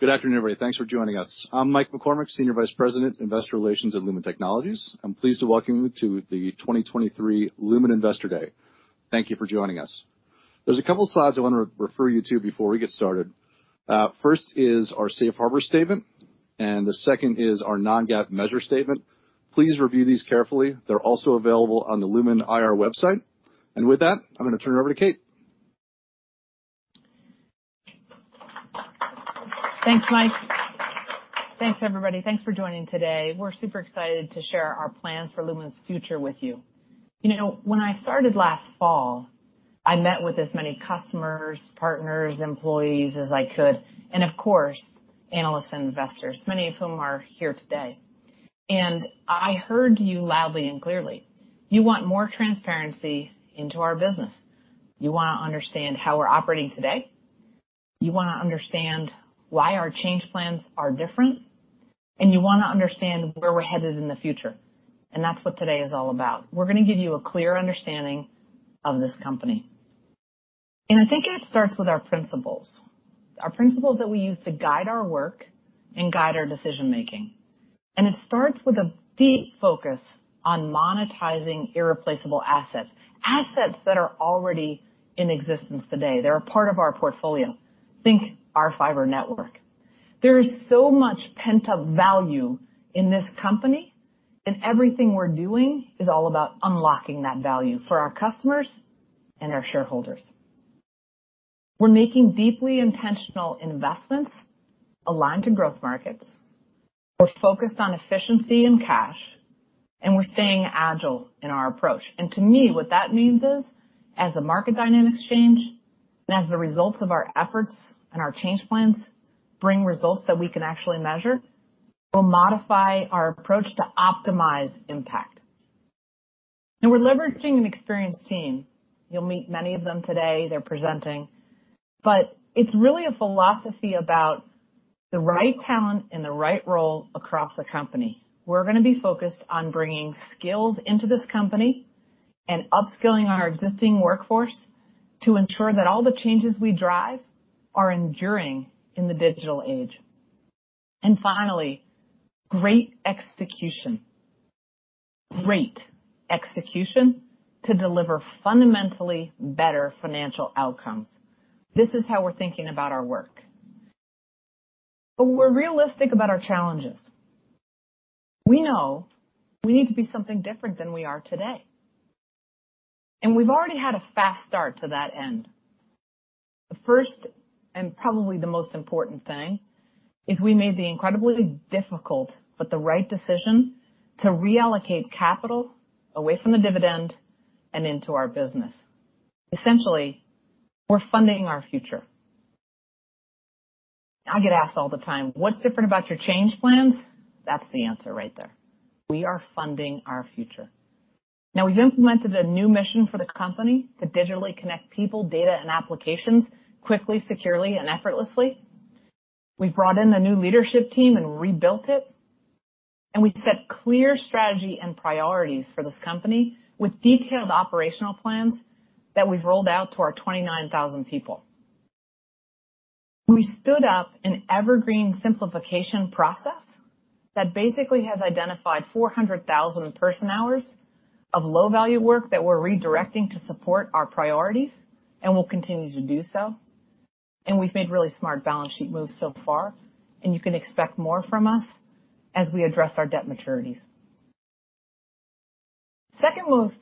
Good afternoon, everybody. Thanks for joining us. I'm Mike McCormack, Senior Vice President, Investor Relations at Lumen Technologies. I'm pleased to welcome you to the 2023 Lumen Investor Day. Thank you for joining us. There's a couple slides I want to refer you to before we get started. First is our safe harbor statement, and the second is our non-GAAP measure statement. Please review these carefully. They're also available on the Lumen IR website. With that, I'm going to turn it over to Kate. Thanks, Mike. Thanks, everybody. Thanks for joining today. We're super excited to share our plans for Lumen's future with you. You know, when I started last fall, I met with as many customers, partners, employees as I could, and of course, analysts and investors, many of whom are here today. I heard you loudly and clearly. You want more transparency into our business. You want to understand how we're operating today. You want to understand why our change plans are different, and you want to understand where we're headed in the future, and that's what today is all about. We're going to give you a clear understanding of this company, and I think it starts with our principles, our principles that we use to guide our work and guide our decision making. It starts with a deep focus on monetizing irreplaceable assets that are already in existence today. They're a part of our portfolio. Think our fiber network. There is so much pent-up value in this company, and everything we're doing is all about unlocking that value for our customers and our shareholders. We're making deeply intentional investments aligned to growth markets. We're focused on efficiency and cash, and we're staying agile in our approach. To me, what that means is, as the market dynamics change and as the results of our efforts and our change plans bring results that we can actually measure, we'll modify our approach to optimize impact. We're leveraging an experienced team. You'll meet many of them today. They're presenting. It's really a philosophy about the right talent in the right role across the company. We're going to be focused on bringing skills into this company and upskilling our existing workforce to ensure that all the changes we drive are enduring in the digital age. Finally, great execution. Great execution to deliver fundamentally better financial outcomes. This is how we're thinking about our work. We're realistic about our challenges. We know we need to be something different than we are today, and we've already had a fast start to that end. The first, and probably the most important thing, is we made the incredibly difficult but the right decision to reallocate capital away from the dividend and into our business. Essentially, we're funding our future. I get asked all the time, "What's different about your change plans?" That's the answer right there. We are funding our future. We've implemented a new mission for the company to digitally connect people, data, and applications quickly, securely, and effortlessly. We've brought in a new leadership team and rebuilt it, we've set clear strategy and priorities for this company with detailed operational plans that we've rolled out to our 29,000 people. We stood up an evergreen simplification process that basically has identified 400,000 person-hours of low-value work that we're redirecting to support our priorities, we'll continue to do so. We've made really smart balance sheet moves so far, you can expect more from us as we address our debt maturities. Second most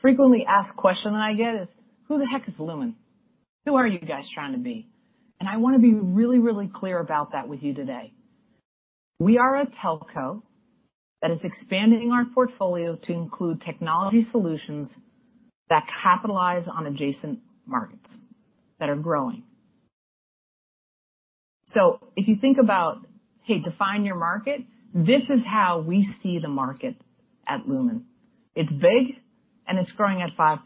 frequently asked question that I get is: Who the heck is Lumen? Who are you guys trying to be? I want to be really, really clear about that with you today. We are a telco that is expanding our portfolio to include technology solutions that capitalize on adjacent markets that are growing. If you think about, hey, define your market, this is how we see the market at Lumen. It's big, and it's growing at 5%.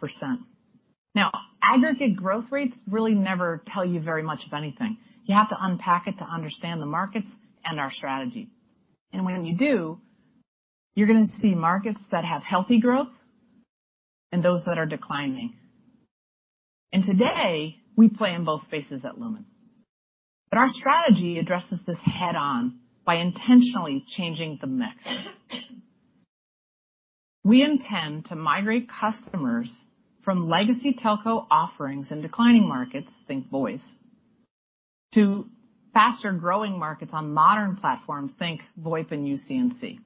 Aggregate growth rates really never tell you very much of anything. You have to unpack it to understand the markets and our strategy. When you do, you're going to see markets that have healthy growth and those that are declining. Today, we play in both spaces at Lumen. Our strategy addresses this head-on by intentionally changing the mix. We intend to migrate customers from legacy telco offerings in declining markets, think voice, to faster-growing markets on modern platforms, think VoIP and UC&C.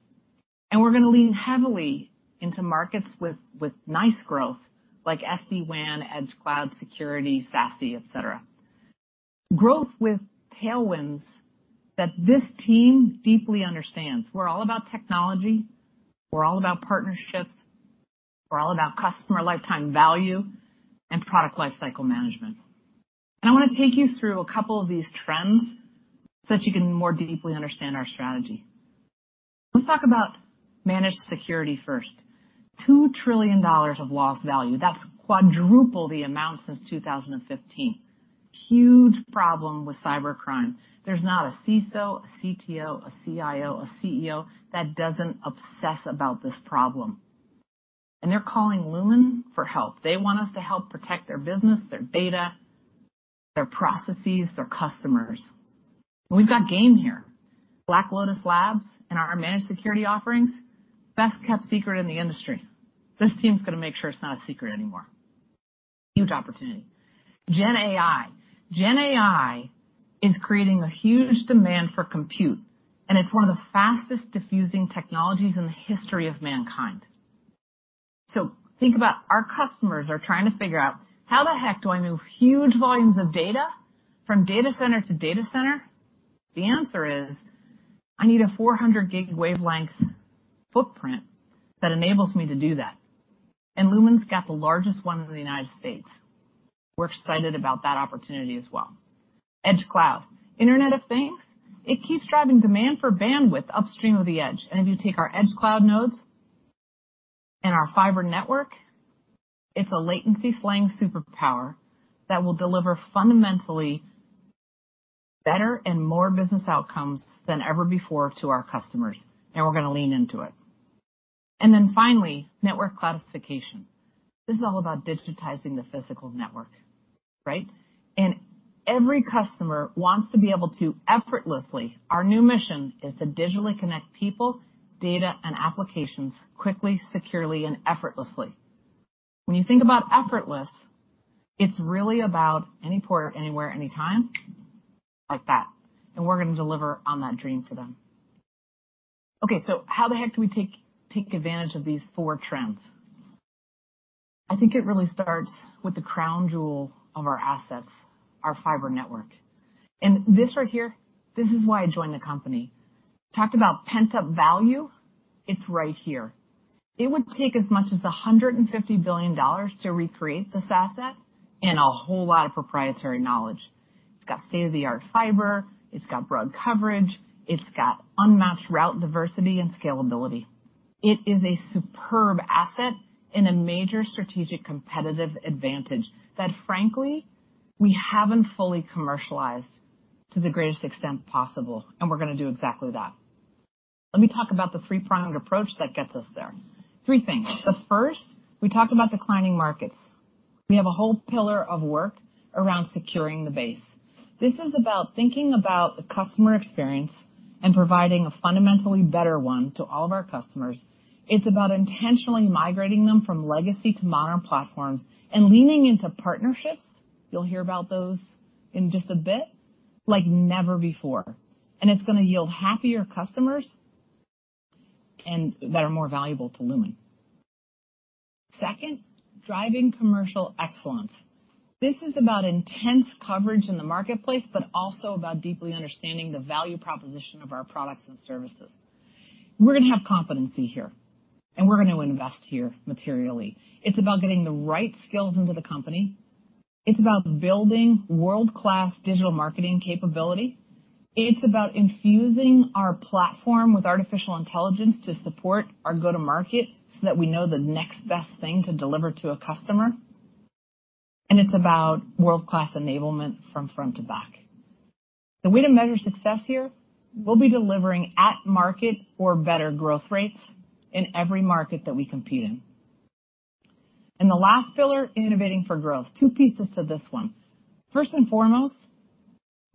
We're going to lean heavily into markets with nice growth, like SD-WAN, Edge, cloud security, SASE, et cetera. Growth with tailwinds that this team deeply understands. We're all about technology, we're all about partnerships, we're all about customer lifetime value and product lifecycle management. I want to take you through a couple of these trends so that you can more deeply understand our strategy. Let's talk about managed security first. $2 trillion of lost value. That's quadruple the amount since 2015. Huge problem with cybercrime. There's not a CISO, a CTO, a CIO, a CEO that doesn't obsess about this problem. They're calling Lumen for help. They want us to help protect their business, their data, their processes, their customers. We've got game here. Black Lotus Labs and our managed security offerings, best-kept secret in the industry. This team's going to make sure it's not a secret anymore. Huge opportunity. Gen AI. Gen AI is creating a huge demand for compute, and it's one of the fastest diffusing technologies in the history of mankind. Think about our customers are trying to figure out, how the heck do I move huge volumes of data from data center to data center? The answer is, I need a 400 Gbps wavelength footprint that enables me to do that, and Lumen's got the largest one in the United States. We're excited about that opportunity as well. Edge cloud, Internet of Things, it keeps driving demand for bandwidth upstream of the edge. If you take our edge cloud nodes and our fiber network, it's a latency-flying superpower that will deliver fundamentally better and more business outcomes than ever before to our customers, and we're going to lean into it. Finally, network cloudification. This is all about digitizing the physical network, right? Every customer wants to be able to effortlessly. Our new mission is to digitally connect people, data, and applications quickly, securely, and effortlessly. When you think about effortless, it's really about any port, anywhere, anytime, like that. We're going to deliver on that dream for them. How the heck do we take advantage of these four trends? I think it really starts with the crown jewel of our assets, our fiber network. This right here, this is why I joined the company. Talked about pent-up value. It's right here. It would take as much as $150 billion to recreate this asset and a whole lot of proprietary knowledge. It's got state-of-the-art fiber, it's got broad coverage, it's got unmatched route diversity and scalability. It is a superb asset and a major strategic competitive advantage that, frankly, we haven't fully commercialized to the greatest extent possible. We're going to do exactly that. Let me talk about the three-pronged approach that gets us there. Three things. The first, we talked about declining markets. We have a whole pillar of work around securing the base. This is about thinking about the customer experience and providing a fundamentally better one to all of our customers. It's about intentionally migrating them from legacy to modern platforms and leaning into partnerships, you'll hear about those in just a bit, like never before. It's going to yield happier customers and that are more valuable to Lumen. Second, driving commercial excellence. This is about intense coverage in the marketplace, but also about deeply understanding the value proposition of our products and services. We're going to have competency here, and we're going to invest here materially. It's about getting the right skills into the company. It's about building world-class digital marketing capability. It's about infusing our platform with artificial intelligence to support our go-to-market so that we know the next best thing to deliver to a customer. It's about world-class enablement from front to back. The way to measure success here, we'll be delivering at market or better growth rates in every market that we compete in. The last pillar, innovating for growth. Two pieces to this one. First and foremost,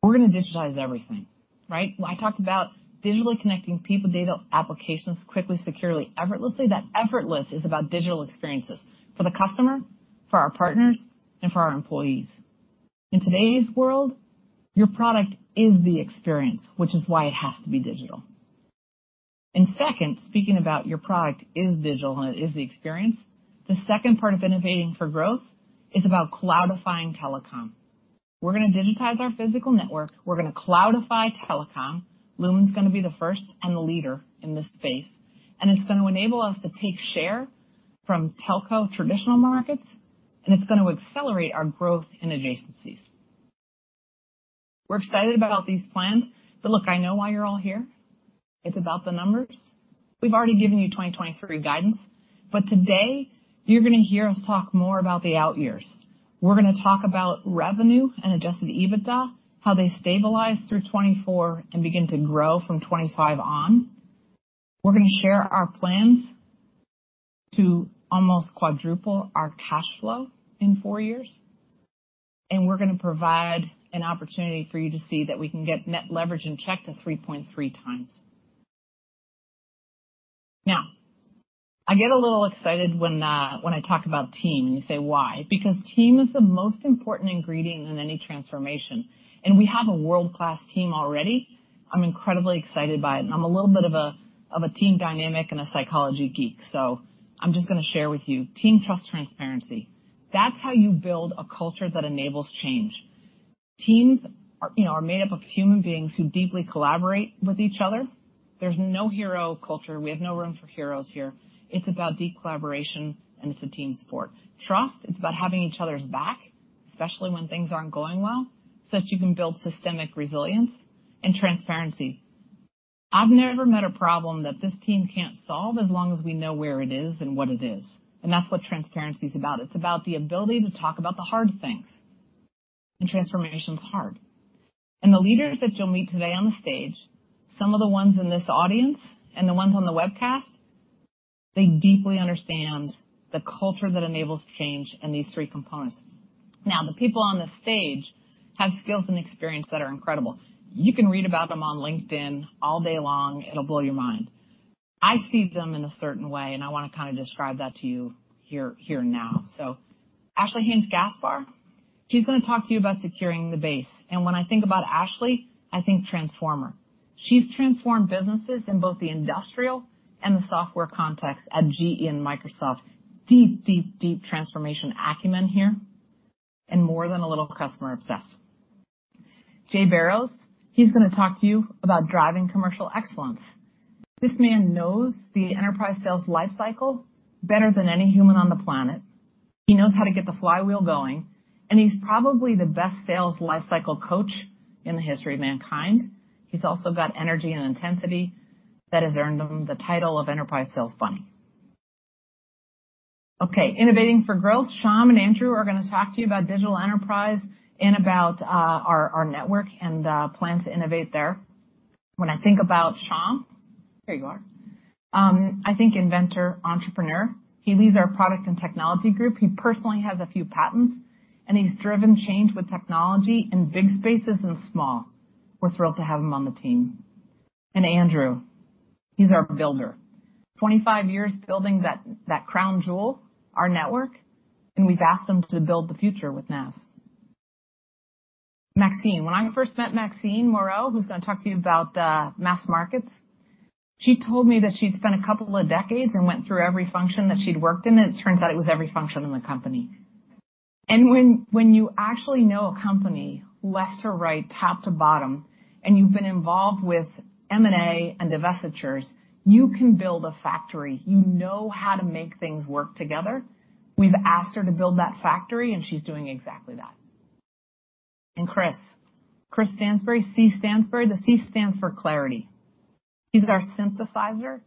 we're going to digitize everything, right? When I talked about digitally connecting people, data, applications, quickly, securely, effortlessly, that effortless is about digital experiences for the customer, for our partners, and for our employees. In today's world, your product is the experience, which is why it has to be digital. Second, speaking about your product is digital and it is the experience, the second part of innovating for growth is about cloudifying telecom. We're going to digitize our physical network. We're going to cloudify telecom. Lumen's going to be the first and the leader in this space, and it's going to enable us to take share from telco traditional markets, and it's going to accelerate our growth in adjacencies. We're excited about these plans. Look, I know why you're all here. It's about the numbers. We've already given you 2023 guidance. Today you're going to hear us talk more about the out years. We're going to talk about revenue and adjusted EBITDA, how they stabilize through 2024 and begin to grow from 2025 on. We're going to share our plans to almost quadruple our cash flow in four years, and we're going to provide an opportunity for you to see that we can get net leverage and check to 3.3x. Now, I get a little excited when I talk about team, and you say, why? Because team is the most important ingredient in any transformation, and we have a world-class team already. I'm incredibly excited by it, and I'm a little bit of a team dynamic and a psychology geek. I'm just going to share with you. Team, trust, transparency. That's how you build a culture that enables change. Teams are, you know, are made up of human beings who deeply collaborate with each other. There's no hero culture. We have no room for heroes here. It's about deep collaboration, and it's a team sport. Trust, it's about having each other's back, especially when things aren't going well, so that you can build systemic resilience and transparency. I've never met a problem that this team can't solve as long as we know where it is and what it is, and that's what transparency is about. It's about the ability to talk about the hard things. Transformation is hard. The leaders that you'll meet today on the stage, some of the ones in this audience and the ones on the webcast, they deeply understand the culture that enables change in these three components. The people on the stage have skills and experience that are incredible. You can read about them on LinkedIn all day long. It'll blow your mind. I see them in a certain way, and I want to kind of describe that to you here now. Ashley Haynes-Gaspar, she's going to talk to you about securing the base. When I think about Ashley, I think transformer. She's transformed businesses in both the industrial and the software context at GE and Microsoft. Deep, deep, deep transformation acumen here, and more than a little customer obsessed. Jay Barrows, he's going to talk to you about driving commercial excellence. This man knows the enterprise sales life cycle better than any human on the planet. He knows how to get the flywheel going, and he's probably the best sales life cycle coach in the history of mankind. He's also got energy and intensity that has earned him the title of Enterprise Sales Bunny. Okay, innovating for growth. Sham and Andrew are going to talk to you about digital enterprise and about our network and plans to innovate there. When I think about Sham, there you are, I think inventor, entrepreneur. He leads our product and technology group. He personally has a few patents, and he's driven change with technology in big spaces and small. We're thrilled to have him on the team. Andrew, he's our builder. 25 years building that crown jewel, our network, and we've asked him to build the future with NaaS. Maxine. When I first met Maxine Moreau, who's going to talk to you about mass markets, she told me that she'd spent a couple of decades and went through every function that she'd worked in. It turns out it was every function in the company. When you actually know a company left to right, top to bottom, and you've been involved with M&A and divestitures, you can build a factory. You know how to make things work together. We've asked her to build that factory, she's doing exactly that. Chris. Chris Stansbury. C Stansbury. The C stands for clarity. He's our synthesizer.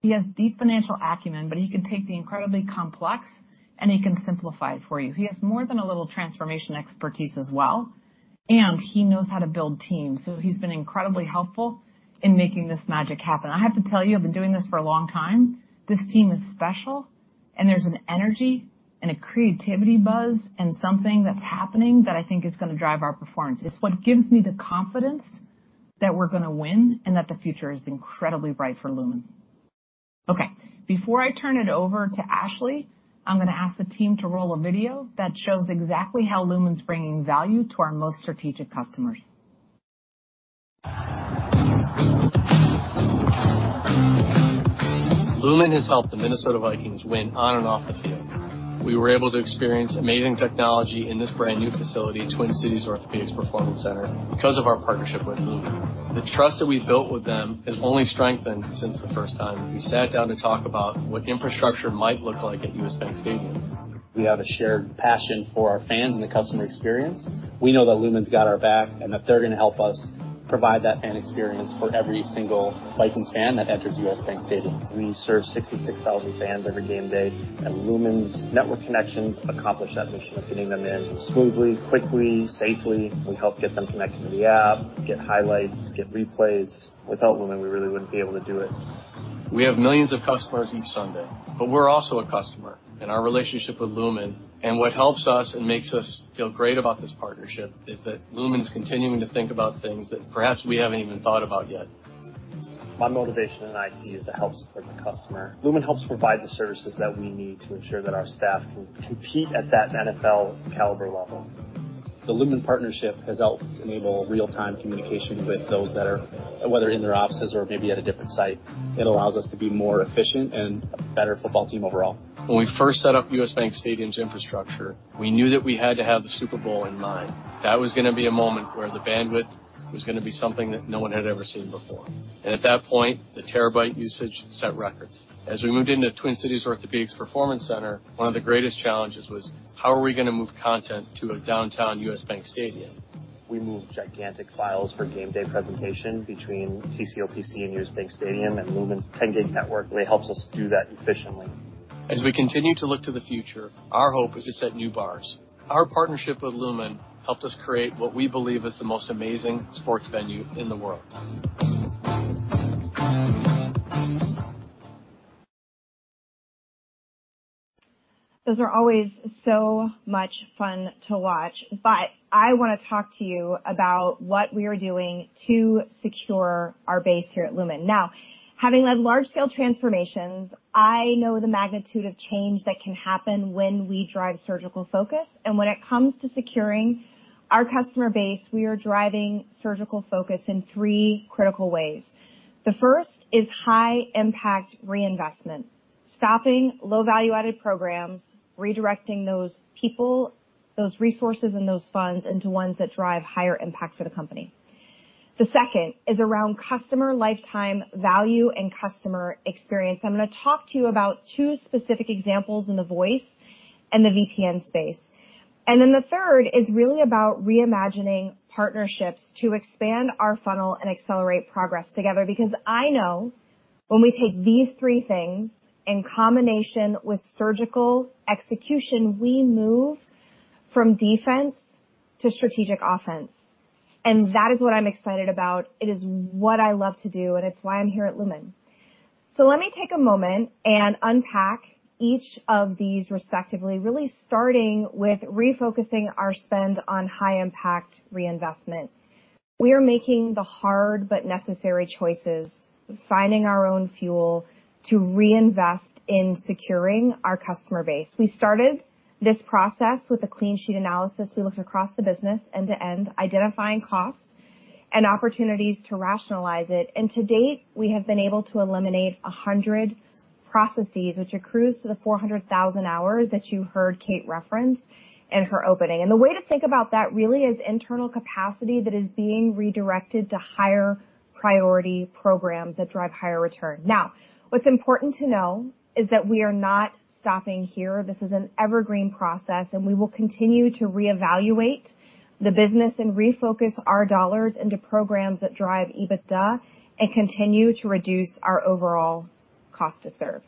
He has deep financial acumen, but he can take the incredibly complex, and he can simplify it for you. He has more than a little transformation expertise as well, and he knows how to build teams, so he's been incredibly helpful in making this magic happen. I have to tell you, I've been doing this for a long time. This team is special, and there's an energy and a creativity buzz and something that's happening that I think is going to drive our performance. It's what gives me the confidence that we're going to win and that the future is incredibly bright for Lumen. Okay, before I turn it over to Ashley, I'm going to ask the team to roll a video that shows exactly how Lumen's bringing value to our most strategic customers. Lumen has helped the Minnesota Vikings win on and off the field. We were able to experience amazing technology in this brand-new facility, Twin Cities Orthopedics Performance Center, because of our partnership with Lumen. The trust that we've built with them has only strengthened since the first time we sat down to talk about what infrastructure might look like at U.S. Bank Stadium. We have a shared passion for our fans and the customer experience. We know that Lumen's got our back, and that they're going to help us provide that fan experience for every single Vikings fan that enters U.S. Bank Stadium. We serve 66,000 fans every game day, and Lumen's network connections accomplish that mission of getting them in smoothly, quickly, safely. We help get them connected to the app, get highlights, get replays. Without Lumen, we really wouldn't be able to do it. We have millions of customers each Sunday, but we're also a customer. Our relationship with Lumen, and what helps us and makes us feel great about this partnership, is that Lumen's continuing to think about things that perhaps we haven't even thought about yet. My motivation in IT is to help support the customer. Lumen helps provide the services that we need to ensure that our staff can compete at that NFL caliber level. The Lumen partnership has helped enable real-time communication with those that are whether in their offices or maybe at a different site. It allows us to be more efficient and a better football team overall. When we first set up U.S. Bank Stadium's infrastructure, we knew that we had to have the Super Bowl in mind. That was going to be a moment where the bandwidth was going to be something that no one had ever seen before. At that point, the terabyte usage set records. As we moved into Twin Cities Orthopedics Performance Center, one of the greatest challenges was: How are we going to move content to a downtown U.S. Bank Stadium? We move gigantic files for game day presentation between TCOPC and U.S. Bank Stadium, Lumen's 10-Gbps network really helps us do that efficiently. As we continue to look to the future, our hope is to set new bars. Our partnership with Lumen helped us create what we believe is the most amazing sports venue in the world. Those are always so much fun to watch. I want to talk to you about what we are doing to secure our base here at Lumen. Now, having led large-scale transformations, I know the magnitude of change that can happen when we drive surgical focus. When it comes to securing our customer base, we are driving surgical focus in three critical ways. The first is high impact reinvestment, stopping low-value-added programs, redirecting those people, those resources, and those funds into ones that drive higher impact for the company. The second is around customer lifetime value and customer experience. I'm going to talk to you about two specific examples in the voice and the VPN space. Then the third is really about reimagining partnerships to expand our funnel and accelerate progress together. I know, when we take these three things in combination with surgical execution, we move from defense to strategic offense, and that is what I'm excited about. It is what I love to do, and it's why I'm here at Lumen. Let me take a moment and unpack each of these respectively, really starting with refocusing our spend on high impact reinvestment. We are making the hard but necessary choices, finding our own fuel to reinvest in securing our customer base. We started this process with a clean sheet analysis. We looked across the business end-to-end, identifying costs and opportunities to rationalize it, and to date, we have been able to eliminate 100 processes, which accrues to the 400,000 hours that you heard Kate reference in her opening. The way to think about that really is internal capacity that is being redirected to higher priority programs that drive higher return. What's important to know is that we are not stopping here. This is an evergreen process, and we will continue to reevaluate the business and refocus our dollars into programs that drive EBITDA and continue to reduce our overall cost to serve.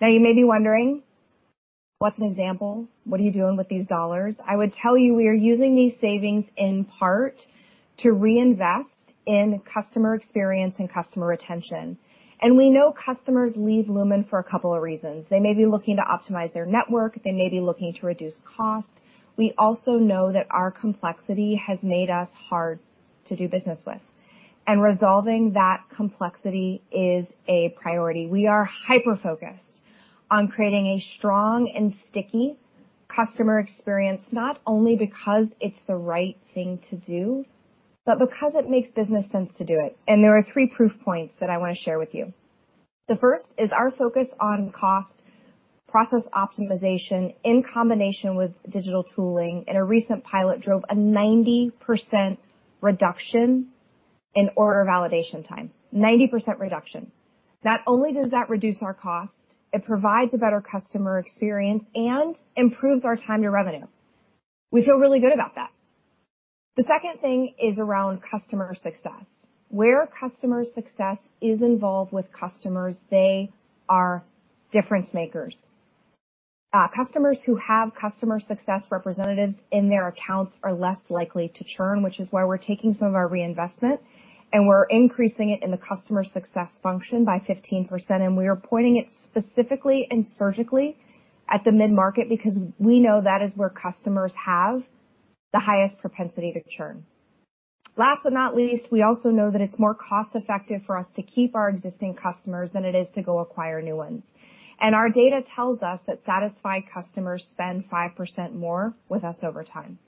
You may be wondering, what's an example? What are you doing with these dollars? I would tell you, we are using these savings in part to reinvest in customer experience and customer retention. We know customers leave Lumen for a couple of reasons. They may be looking to optimize their network. They may be looking to reduce cost. We also know that our complexity has made us hard to do business with, and resolving that complexity is a priority. We are hyper-focused on creating a strong and sticky customer experience, not only because it's the right thing to do, but because it makes business sense to do it. There are three proof points that I want to share with you. The first is our focus on cost process optimization in combination with digital tooling in a recent pilot, drove a 90% reduction in order validation time. 90% reduction. Not only does that reduce our cost, it provides a better customer experience and improves our time to revenue. We feel really good about that. The second thing is around customer success. Where customer success is involved with customers, they are difference makers. Customers who have customer success representatives in their accounts are less likely to churn, which is why we're taking some of our reinvestment, and we're increasing it in the customer success function by 15%, and we are pointing it specifically and surgically at the mid-market, because we know that is where customers have the highest propensity to churn. Last but not least, we also know that it's more cost effective for us to keep our existing customers than it is to go acquire new ones. Our data tells us that satisfied customers spend 5% more with us over time.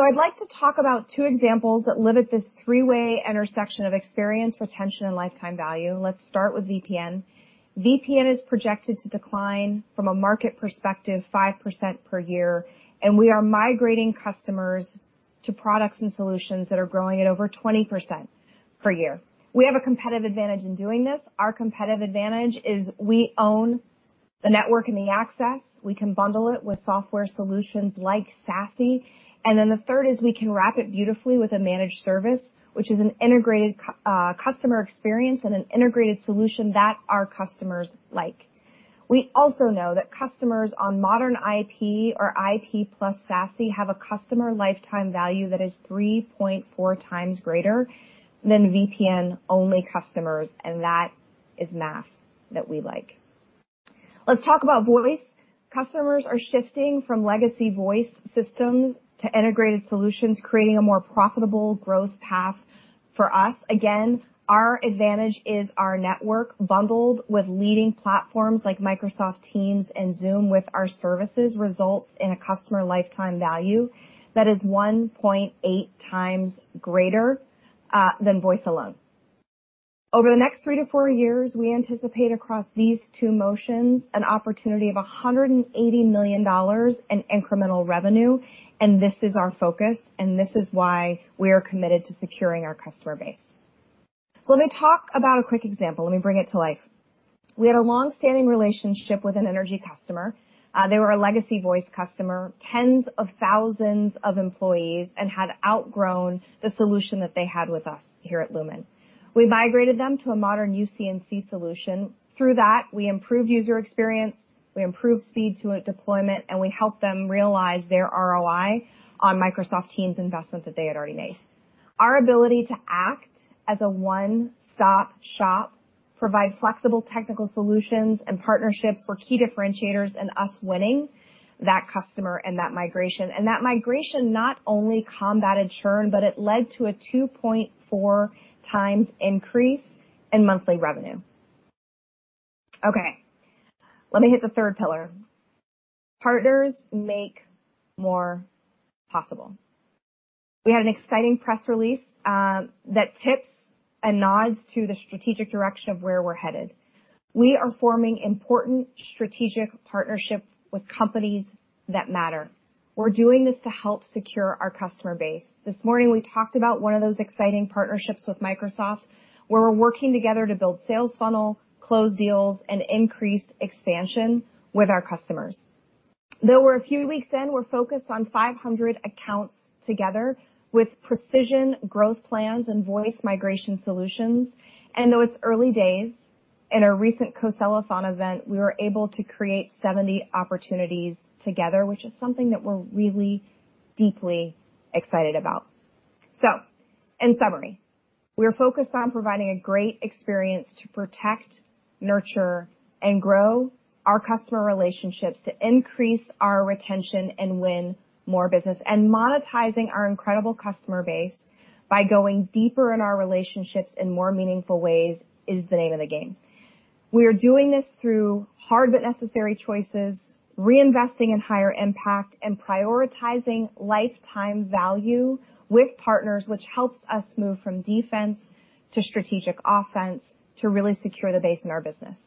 I'd like to talk about two examples that live at this three-way intersection of experience, retention, and lifetime value. Let's start with VPN. VPN is projected to decline from a market perspective, 5% per year, and we are migrating customers to products and solutions that are growing at over 20% per year. We have a competitive advantage in doing this. Our competitive advantage is we own the network and the access. We can bundle it with software solutions like SASE. The third is we can wrap it beautifully with a managed service, which is an integrated customer experience and an integrated solution that our customers like. We also know that customers on modern IP or IP plus SASE have a customer lifetime value that is 3.4x greater than VPN-only customers, and that is math that we like. Let's talk about voice. Customers are shifting from legacy voice systems to integrated solutions, creating a more profitable growth path for us. Our advantage is our network bundled with leading platforms like Microsoft Teams and Zoom, with our services, results in a customer lifetime value that is 1.8x greater than voice alone. Over the next 3-4 years, we anticipate across these two motions, an opportunity of $180 million in incremental revenue. This is our focus. This is why we are committed to securing our customer base. Let me talk about a quick example. Let me bring it to life. We had a long-standing relationship with an energy customer. They were a legacy voice customer, tens of thousands of employees, and had outgrown the solution that they had with us here at Lumen. We migrated them to a modern UC&C solution. Through that, we improved user experience, we improved speed to deployment, and we helped them realize their ROI on Microsoft Teams investment that they had already made. Our ability to act as a one-stop shop, provide flexible technical solutions and partnerships, were key differentiators in us winning that customer and that migration. That migration not only combated churn, but it led to a 2.4x increase in monthly revenue. Okay, let me hit the third pillar. Partners make more possible. We had an exciting press release that tips a nods to the strategic direction of where we're headed. We are forming important strategic partnership with companies that matter. We're doing this to help secure our customer base. This morning, we talked about one of those exciting partnerships with Microsoft, where we're working together to build sales funnel, close deals, and increase expansion with our customers.... Though we're a few weeks in, we're focused on 500 accounts together with precision growth plans and voice migration solutions. Though it's early days, in our recent Co-sell-athon event, we were able to create 70 opportunities together, which is something that we're really deeply excited about. In summary, we're focused on providing a great experience to protect, nurture, and grow our customer relationships, to increase our retention and win more business. Monetizing our incredible customer base by going deeper in our relationships in more meaningful ways is the name of the game. We are doing this through hard but necessary choices, reinvesting in higher impact, and prioritizing lifetime value with partners, which helps us move from defense to strategic offense to really secure the base in our business.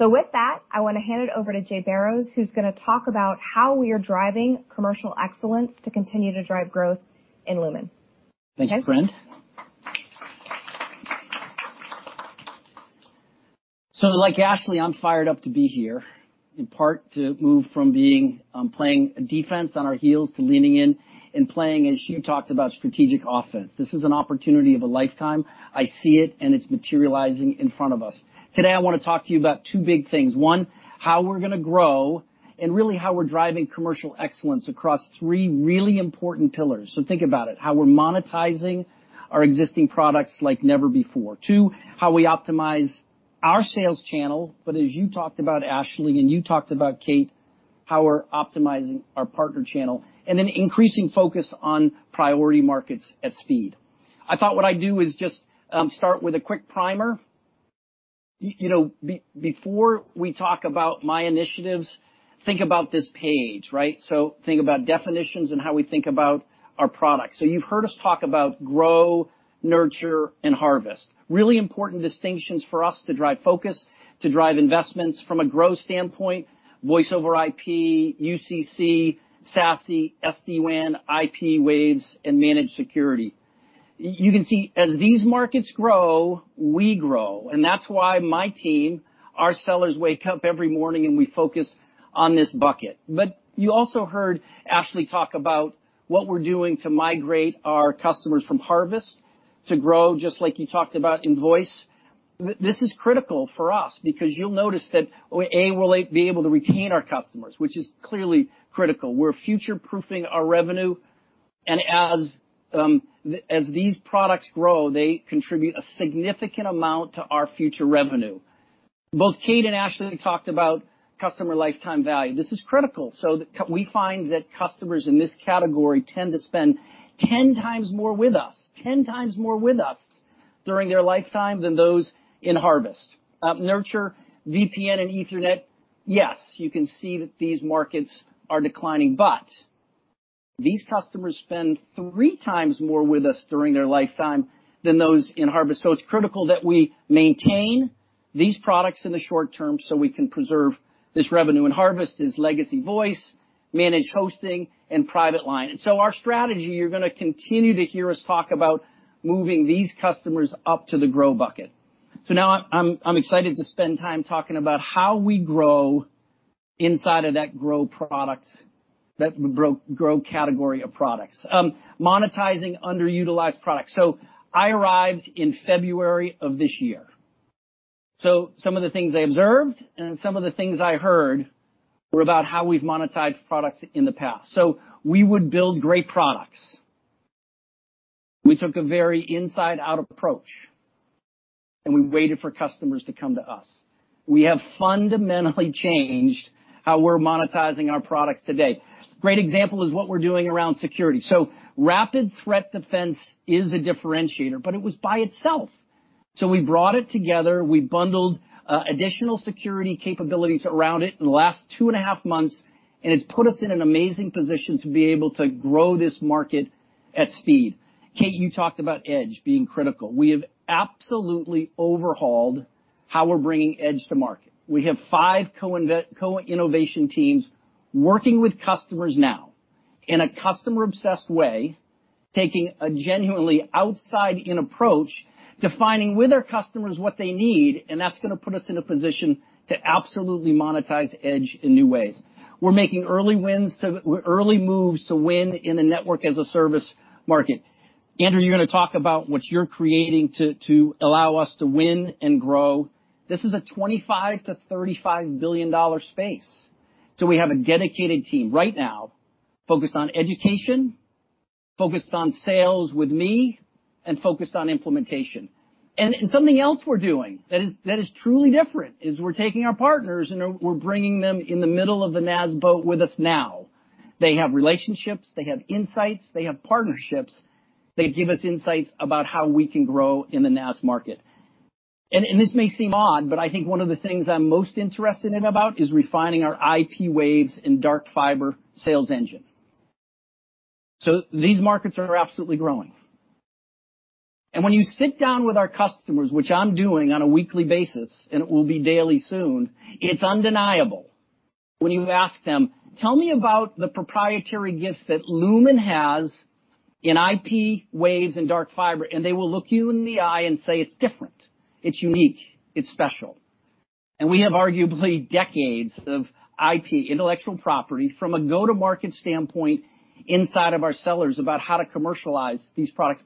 With that, I want to hand it over to Jay Barrows, who's going to talk about how we are driving commercial excellence to continue to drive growth in Lumen. Thank you, friend. Like Ashley, I'm fired up to be here, in part to move from being, playing a defense on our heels to leaning in and playing, as you talked about, strategic offense. This is an opportunity of a lifetime. I see it, and it's materializing in front of us. Today, I want to talk to you about two big things. One, how we're going to grow and really how we're driving commercial excellence across three really important pillars. Think about it, how we're monetizing our existing products like never before. Two, how we optimize our sales channel, but as you talked about, Ashley, and you talked about, Kate, how we're optimizing our partner channel, and then increasing focus on priority markets at speed. I thought what I'd do is just start with a quick primer. You know, before we talk about my initiatives, think about this page, right? Think about definitions and how we think about our products. You've heard us talk about grow, nurture, and harvest. Really important distinctions for us to drive focus, to drive investments from a growth standpoint, Voice over IP, UC&C, SASE, SD-WAN, IP waves, and managed security. You can see as these markets grow, we grow, and that's why my team, our sellers, wake up every morning and we focus on this bucket. You also heard Ashley talk about what we're doing to migrate our customers from harvest to grow, just like you talked about in voice. This is critical for us because you'll notice that, A, we'll be able to retain our customers, which is clearly critical. We're future-proofing our revenue, and as these products grow, they contribute a significant amount to our future revenue. Both Kate and Ashley talked about customer lifetime value. This is critical. We find that customers in this category tend to spend 10x more with us during their lifetime than those in harvest. Nurture, VPN, and Ethernet, yes, you can see that these markets are declining, but these customers spend 3x more with us during their lifetime than those in harvest. It's critical that we maintain these products in the short term so we can preserve this revenue. Harvest is legacy voice, managed hosting, and private line. Our strategy, you're going to continue to hear us talk about moving these customers up to the grow bucket. Now I'm excited to spend time talking about how we grow inside of that grow product, that grow category of products. Monetizing underutilized products. I arrived in February of this year. Some of the things I observed and some of the things I heard were about how we've monetized products in the past. We would build great products. We took a very inside-out approach, and we waited for customers to come to us. We have fundamentally changed how we're monetizing our products today. Great example is what we're doing around security. Rapid Threat Defense is a differentiator, but it was by itself. We brought it together, we bundled additional security capabilities around it in the last 2.5 months, and it's put us in an amazing position to be able to grow this market at speed. Kate, you talked about Edge being critical. We have absolutely overhauled how we're bringing Edge to market. We have five co-innovation teams working with customers now in a customer-obsessed way, taking a genuinely outside-in approach, defining with our customers what they need, and that's going to put us in a position to absolutely monetize Edge in new ways. We're making early moves to win in the Network-as-a-Service market. Andrew, you're going to talk about what you're creating to allow us to win and grow. This is a $25 billion-$35 billion space. We have a dedicated team right now, focused on education, focused on sales with me, and focused on implementation. Something else we're doing that is truly different, is we're taking our partners, and we're bringing them in the middle of the NaaS boat with us now. They have relationships, they have insights, they have partnerships. They give us insights about how we can grow in the NaaS market. This may seem odd, but I think one of the things I'm most interested in about is refining our IP waves and dark fiber sales engine. These markets are absolutely growing. When you sit down with our customers, which I'm doing on a weekly basis, and it will be daily soon, it's undeniable. When you ask them: Tell me about the proprietary gifts that Lumen has in IP, waves, and dark fiber, and they will look you in the eye and say, "It's different, it's unique, it's special." We have arguably decades of IP, intellectual property, from a go-to-market standpoint inside of our sellers about how to commercialize these products.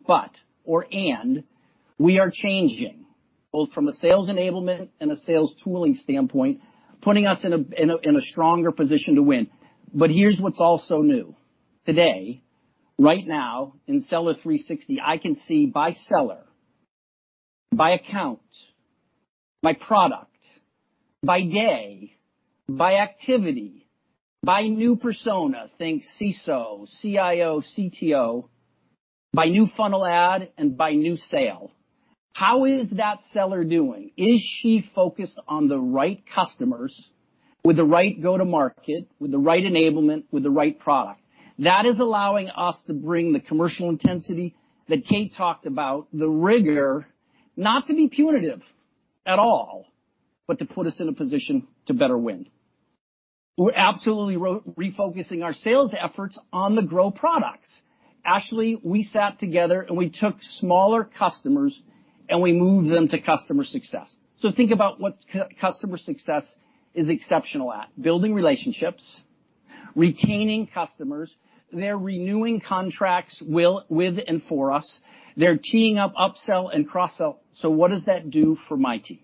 We are changing, both from a sales enablement and a sales tooling standpoint, putting us in a stronger position to win. Here's what's also new. Today, right now, in Seller 360, I can see by seller, by account, by product, by day, by activity, by new persona, think CISO, CIO, CTO, by new funnel ad, and by new sale. How is that seller doing? Is she focused on the right customers with the right go-to-market, with the right enablement, with the right product? That is allowing us to bring the commercial intensity that Kate talked about, the rigor, not to be punitive at all, but to put us in a position to better win. We're absolutely refocusing our sales efforts on the grow products. Ashley, we sat together, and we took smaller customers, and we moved them to customer success. Think about what customer success is exceptional at: building relationships, retaining customers. They're renewing contracts with and for us. They're teeing up upsell and cross-sell. What does that do for my team?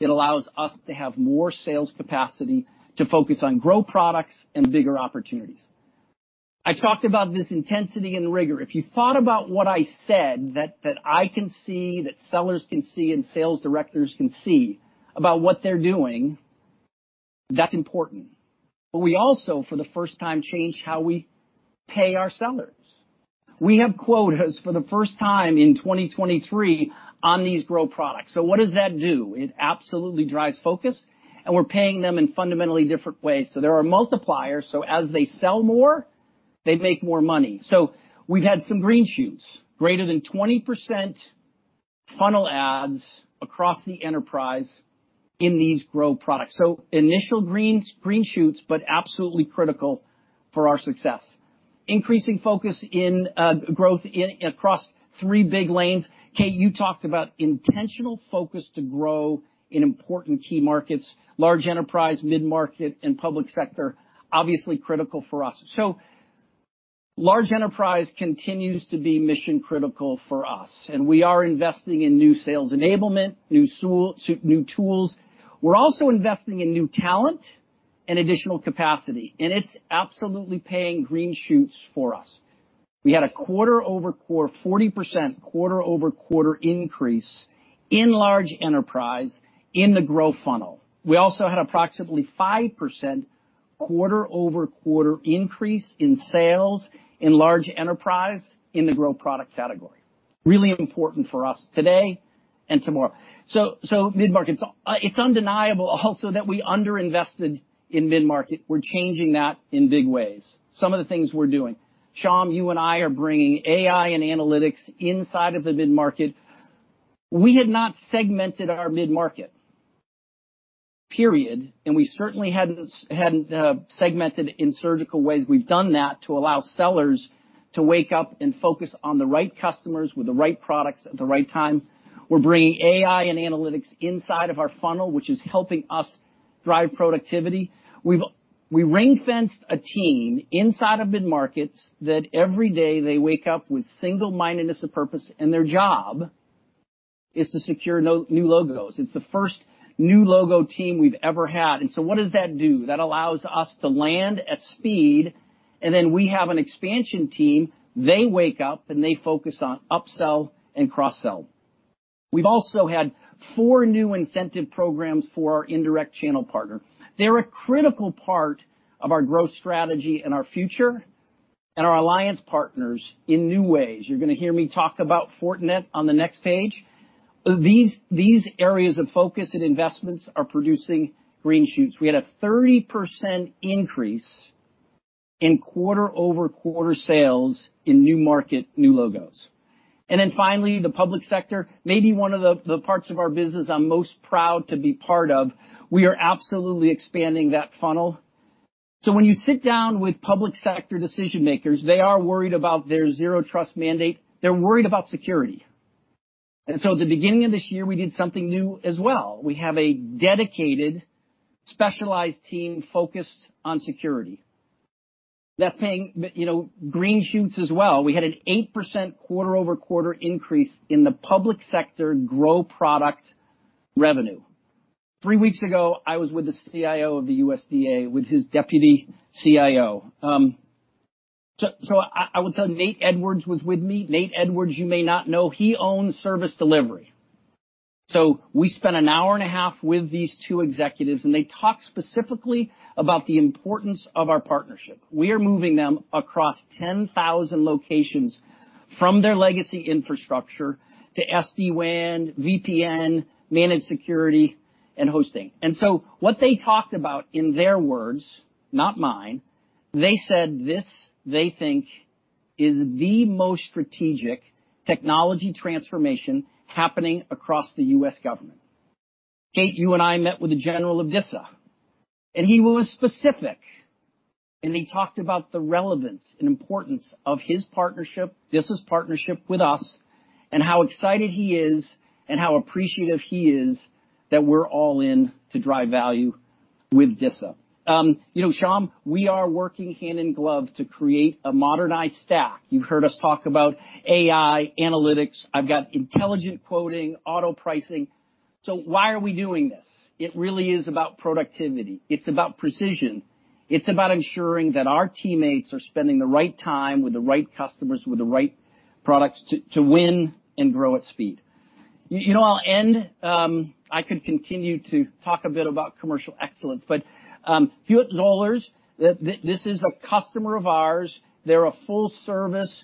It allows us to have more sales capacity to focus on grow products and bigger opportunities. I talked about this intensity and rigor. If you thought about what I said, that I can see, that sellers can see, and sales directors can see about what they're doing, that's important. We also, for the first time, changed how we pay our sellers. We have quotas for the first time in 2023 on these grow products. What does that do? It absolutely drives focus, and we're paying them in fundamentally different ways. There are multipliers, as they sell more, they make more money. We've had some green shoots, greater than 20% funnel adds across the enterprise in these grow products. Initial green shoots, but absolutely critical for our success. Increasing focus in growth across three big lanes. Kate, you talked about intentional focus to grow in important key markets, large enterprise, mid-market, and public sector, obviously critical for us. Large enterprise continues to be mission-critical for us, and we are investing in new sales enablement, new tools. We're also investing in new talent and additional capacity, and it's absolutely paying green shoots for us. We had a quarter-over-quarter, 40% quarter-over-quarter increase in large enterprise in the growth funnel. We also had approximately 5% quarter-over-quarter increase in sales in large enterprise in the grow product category. Really important for us today and tomorrow. Mid-market. It's undeniable also that we underinvested in mid-market. We're changing that in big ways. Some of the things we're doing. Sham, you and I are bringing AI and analytics inside of the mid-market. We had not segmented our mid-market, period, and we certainly hadn't segmented in surgical ways. We've done that to allow sellers to wake up and focus on the right customers with the right products at the right time. We're bringing AI and analytics inside of our funnel, which is helping us drive productivity. We ring-fenced a team inside of mid-markets that every day they wake up with single-mindedness of purpose, and their job is to secure new logos. It's the first new logo team we've ever had. What does that do? That allows us to land at speed, and then we have an expansion team. They wake up, and they focus on upsell and cross-sell. We've also had four new incentive programs for our indirect channel partner. They're a critical part of our growth strategy and our future, and our alliance partners in new ways. You're gonna hear me talk about Fortinet on the next page. These areas of focus and investments are producing green shoots. We had a 30% increase in quarter-over-quarter sales in new market, new logos. Finally, the public sector, maybe one of the parts of our business I'm most proud to be part of. We are absolutely expanding that funnel. When you sit down with public sector decision makers, they are worried about their zero-trust mandate. They're worried about security. At the beginning of this year, we did something new as well. We have a dedicated, specialized team focused on security. That's paying, you know, green shoots as well. We had an 8% quarter-over-quarter increase in the public sector grow product revenue. three weeks ago, I was with the CIO of the USDA, with his deputy CIO. I would say Nate Edwards was with me. Nate Edwards, you may not know, he owns service delivery. We spent an hour and a half with these two executives, and they talked specifically about the importance of our partnership. We are moving them across 10,000 locations from their legacy infrastructure to SD-WAN, VPN, managed security, and hosting. What they talked about, in their words, not mine, they said this, they think, is the most strategic technology transformation happening across the U.S. government. Kate, you and I met with the General of DISA, and he was specific, and he talked about the relevance and importance of his partnership, DISA's partnership with us, and how excited he is and how appreciative he is that we're all in to drive value with DISA. You know, Sham, we are working hand in glove to create a modernized stack. You've heard us talk about AI, analytics. I've got intelligent quoting, auto pricing. Why are we doing this? It really is about productivity. It's about precision. It's about ensuring that our teammates are spending the right time with the right customers, with the right products, to win and grow at speed. You know, I'll end. I could continue to talk a bit about commercial excellence. Huitt-Zollars, this is a customer of ours. They're a full service,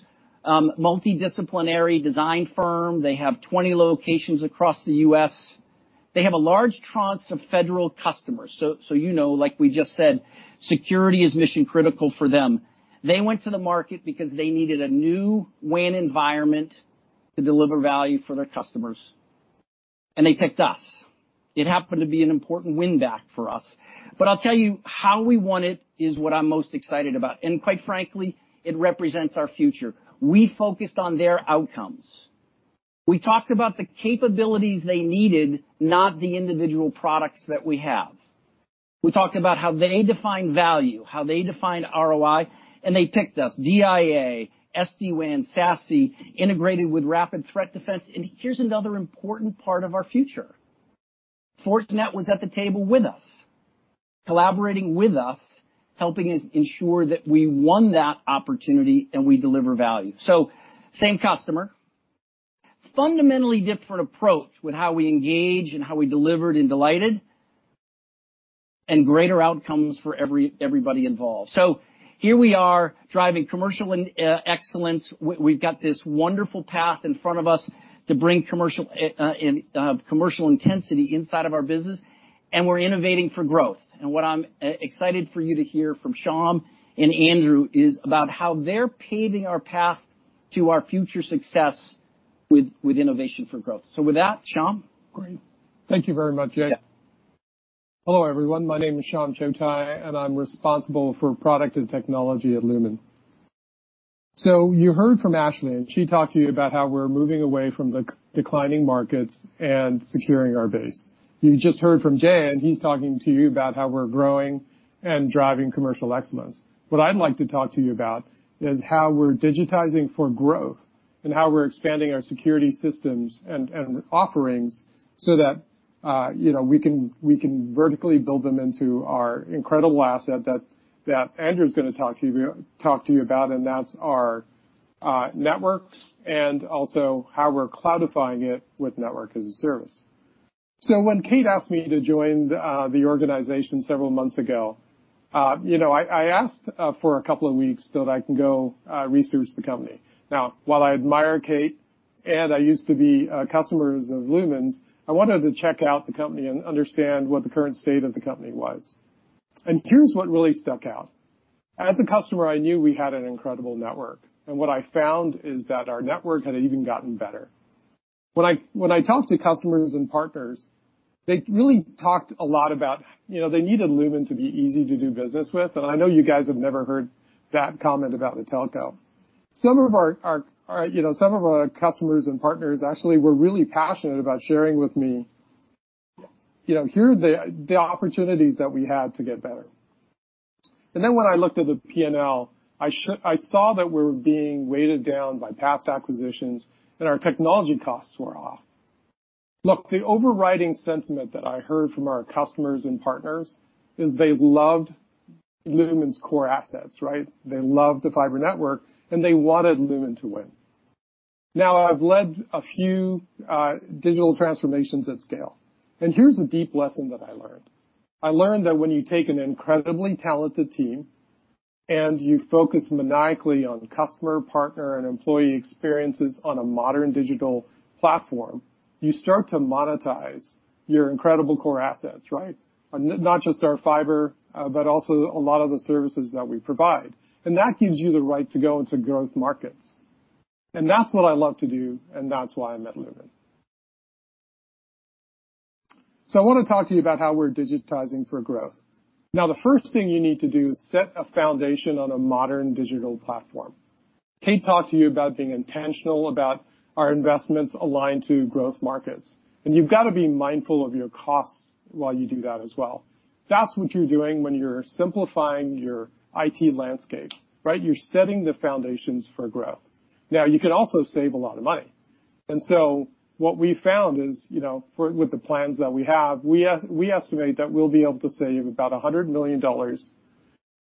multidisciplinary design firm. They have 20 locations across the U.S. They have a large tranche of federal customers, you know, like we just said, security is mission critical for them. They went to the market because they needed a new WAN environment to deliver value for their customers. They picked us. It happened to be an important win-back for us. I'll tell you, how we won it is what I'm most excited about. Quite frankly, it represents our future. We focused on their outcomes. We talked about the capabilities they needed, not the individual products that we have. We talked about how they define value, how they defined ROI, and they picked us. DIA, SD-WAN, SASE, integrated with Rapid Threat Defense. Here's another important part of our future, Fortinet was at the table with us, collaborating with us, helping us ensure that we won that opportunity and we deliver value. Same customer, fundamentally different approach with how we engage and how we delivered and delighted, and greater outcomes for everybody involved. Here we are driving commercial in excellence. We've got this wonderful path in front of us to bring commercial intensity inside of our business, and we're innovating for growth. What I'm excited for you to hear from Sham and Andrew is about how they're paving our path to our future success with innovation for growth. With that, Sham? Great. Thank you very much, Jay. Yeah. Hello, everyone. My name is Sham Chotai, and I'm responsible for product and technology at Lumen. You heard from Ashley, and she talked to you about how we're moving away from the declining markets and securing our base. You just heard from Jay, and he's talking to you about how we're growing and driving commercial excellence. What I'd like to talk to you about is how we're digitizing for growth and how we're expanding our security systems and offerings so that, you know, we can vertically build them into our incredible asset that Andrew's gonna talk to you about, and that's our network, and also how we're cloudifying it with network as a service. When Kate asked me to join the organization several months ago, you know, I asked for a couple of weeks that I can go research the company. While I admire Kate, and I used to be customers of Lumen's, I wanted to check out the company and understand what the current state of the company was. Here's what really stuck out. As a customer, I knew we had an incredible network, and what I found is that our network had even gotten better. When I talked to customers and partners, they really talked a lot about, you know, they needed Lumen to be easy to do business with, and I know you guys have never heard that comment about the telco. Some of our, you know, some of our customers and partners actually were really passionate about sharing with me, you know, here are the opportunities that we had to get better. When I looked at the P&L, I saw that we were being weighted down by past acquisitions, and our technology costs were off. Look, the overriding sentiment that I heard from our customers and partners is they loved Lumen's core assets, right? They loved the fiber network, and they wanted Lumen to win. I've led a few digital transformations at scale, and here's a deep lesson that I learned. I learned that when you take an incredibly talented team and you focus maniacally on customer, partner, and employee experiences on a modern digital platform, you start to monetize your incredible core assets, right? Not just our fiber, but also a lot of the services that we provide. That gives you the right to go into growth markets. That's what I love to do. That's why I'm at Lumen. I want to talk to you about how we're digitizing for growth. The first thing you need to do is set a foundation on a modern digital platform. Kate talked to you about being intentional about our investments aligned to growth markets. You've got to be mindful of your costs while you do that as well. That's what you're doing when you're simplifying your IT landscape, right? You're setting the foundations for growth. You can also save a lot of money, and so what we found is, you know, with the plans that we have, we estimate that we'll be able to save about $100 million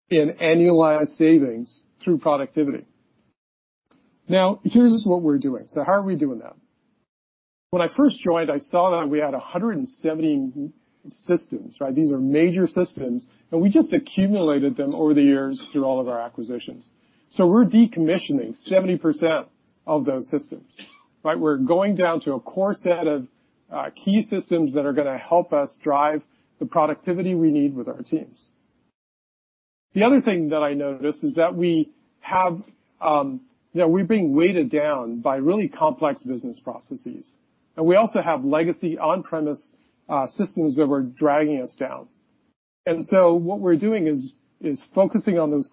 in annualized savings through productivity. Here's what we're doing. How are we doing that? When I first joined, I saw that we had 170 systems, right? These are major systems, and we just accumulated them over the years through all of our acquisitions. We're decommissioning 70% of those systems, right? We're going down to a core set of key systems that are gonna help us drive the productivity we need with our teams. The other thing that I noticed is that we have, you know, we're being weighted down by really complex business processes, and we also have legacy on-premise systems that were dragging us down. What we're doing is focusing on those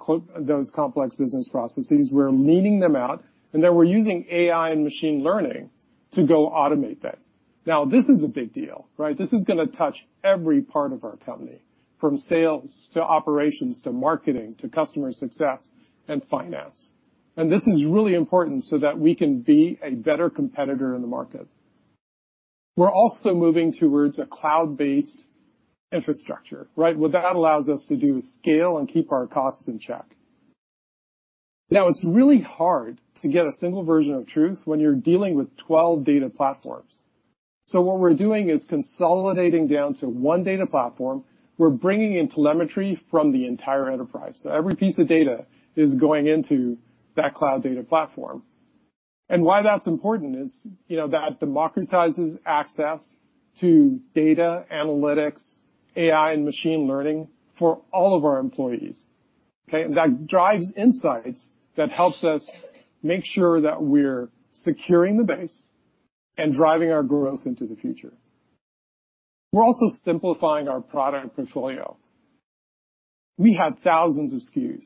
complex business processes. We're leaning them out, and then we're using AI and machine learning to go automate that. This is a big deal, right? This is gonna touch every part of our company, from sales to operations, to marketing, to customer success and finance. This is really important so that we can be a better competitor in the market. We're also moving towards a cloud-based infrastructure, right? What that allows us to do is scale and keep our costs in check. It's really hard to get a single version of truth when you're dealing with 12 data platforms. What we're doing is consolidating down to one data platform. We're bringing in telemetry from the entire enterprise, so every piece of data is going into that cloud data platform. Why that's important is, you know, that democratizes access to data analytics, AI, and machine learning for all of our employees, okay? That drives insights that helps us make sure that we're securing the base and driving our growth into the future. We're also simplifying our product portfolio. We had thousands of SKUs,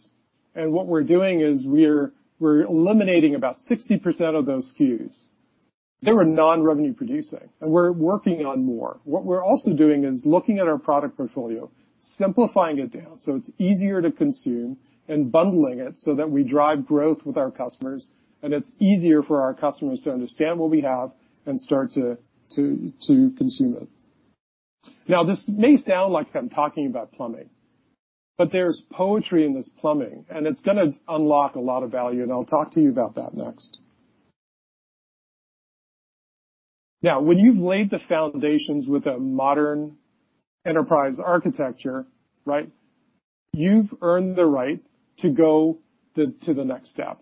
and what we're doing is we're eliminating about 60% of those SKUs. They were non-revenue producing, and we're working on more. What we're also doing is looking at our product portfolio, simplifying it down, so it's easier to consume and bundling it so that we drive growth with our customers, and it's easier for our customers to understand what we have and start to consume it. This may sound like I'm talking about plumbing, but there's poetry in this plumbing, and it's gonna unlock a lot of value, and I'll talk to you about that next. When you've laid the foundations with a modern enterprise architecture, right, you've earned the right to go to the next step.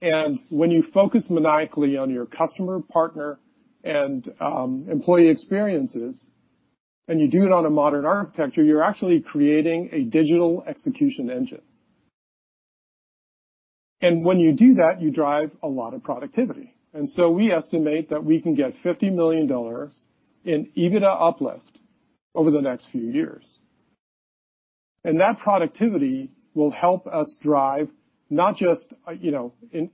When you focus maniacally on your customer, partner, and employee experiences, and you do it on a modern architecture, you're actually creating a digital execution engine. When you do that, you drive a lot of productivity. We estimate that we can get $50 million in EBITDA uplift over the next few years. That productivity will help us drive, not just, you know, in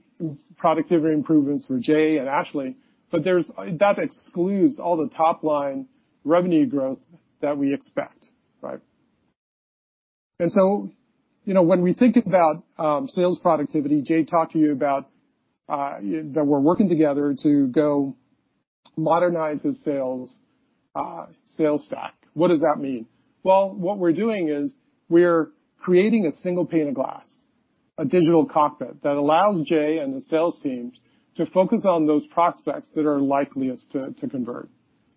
productivity improvements for Jay and Ashley, but that excludes all the top-line revenue growth that we expect, right? You know, when we think about sales productivity, Jay talked to you about that we're working together to go modernize his sales stack. What does that mean? Well, what we're doing is we're creating a single pane of glass, a digital cockpit that allows Jay and the sales teams to focus on those prospects that are likeliest to convert.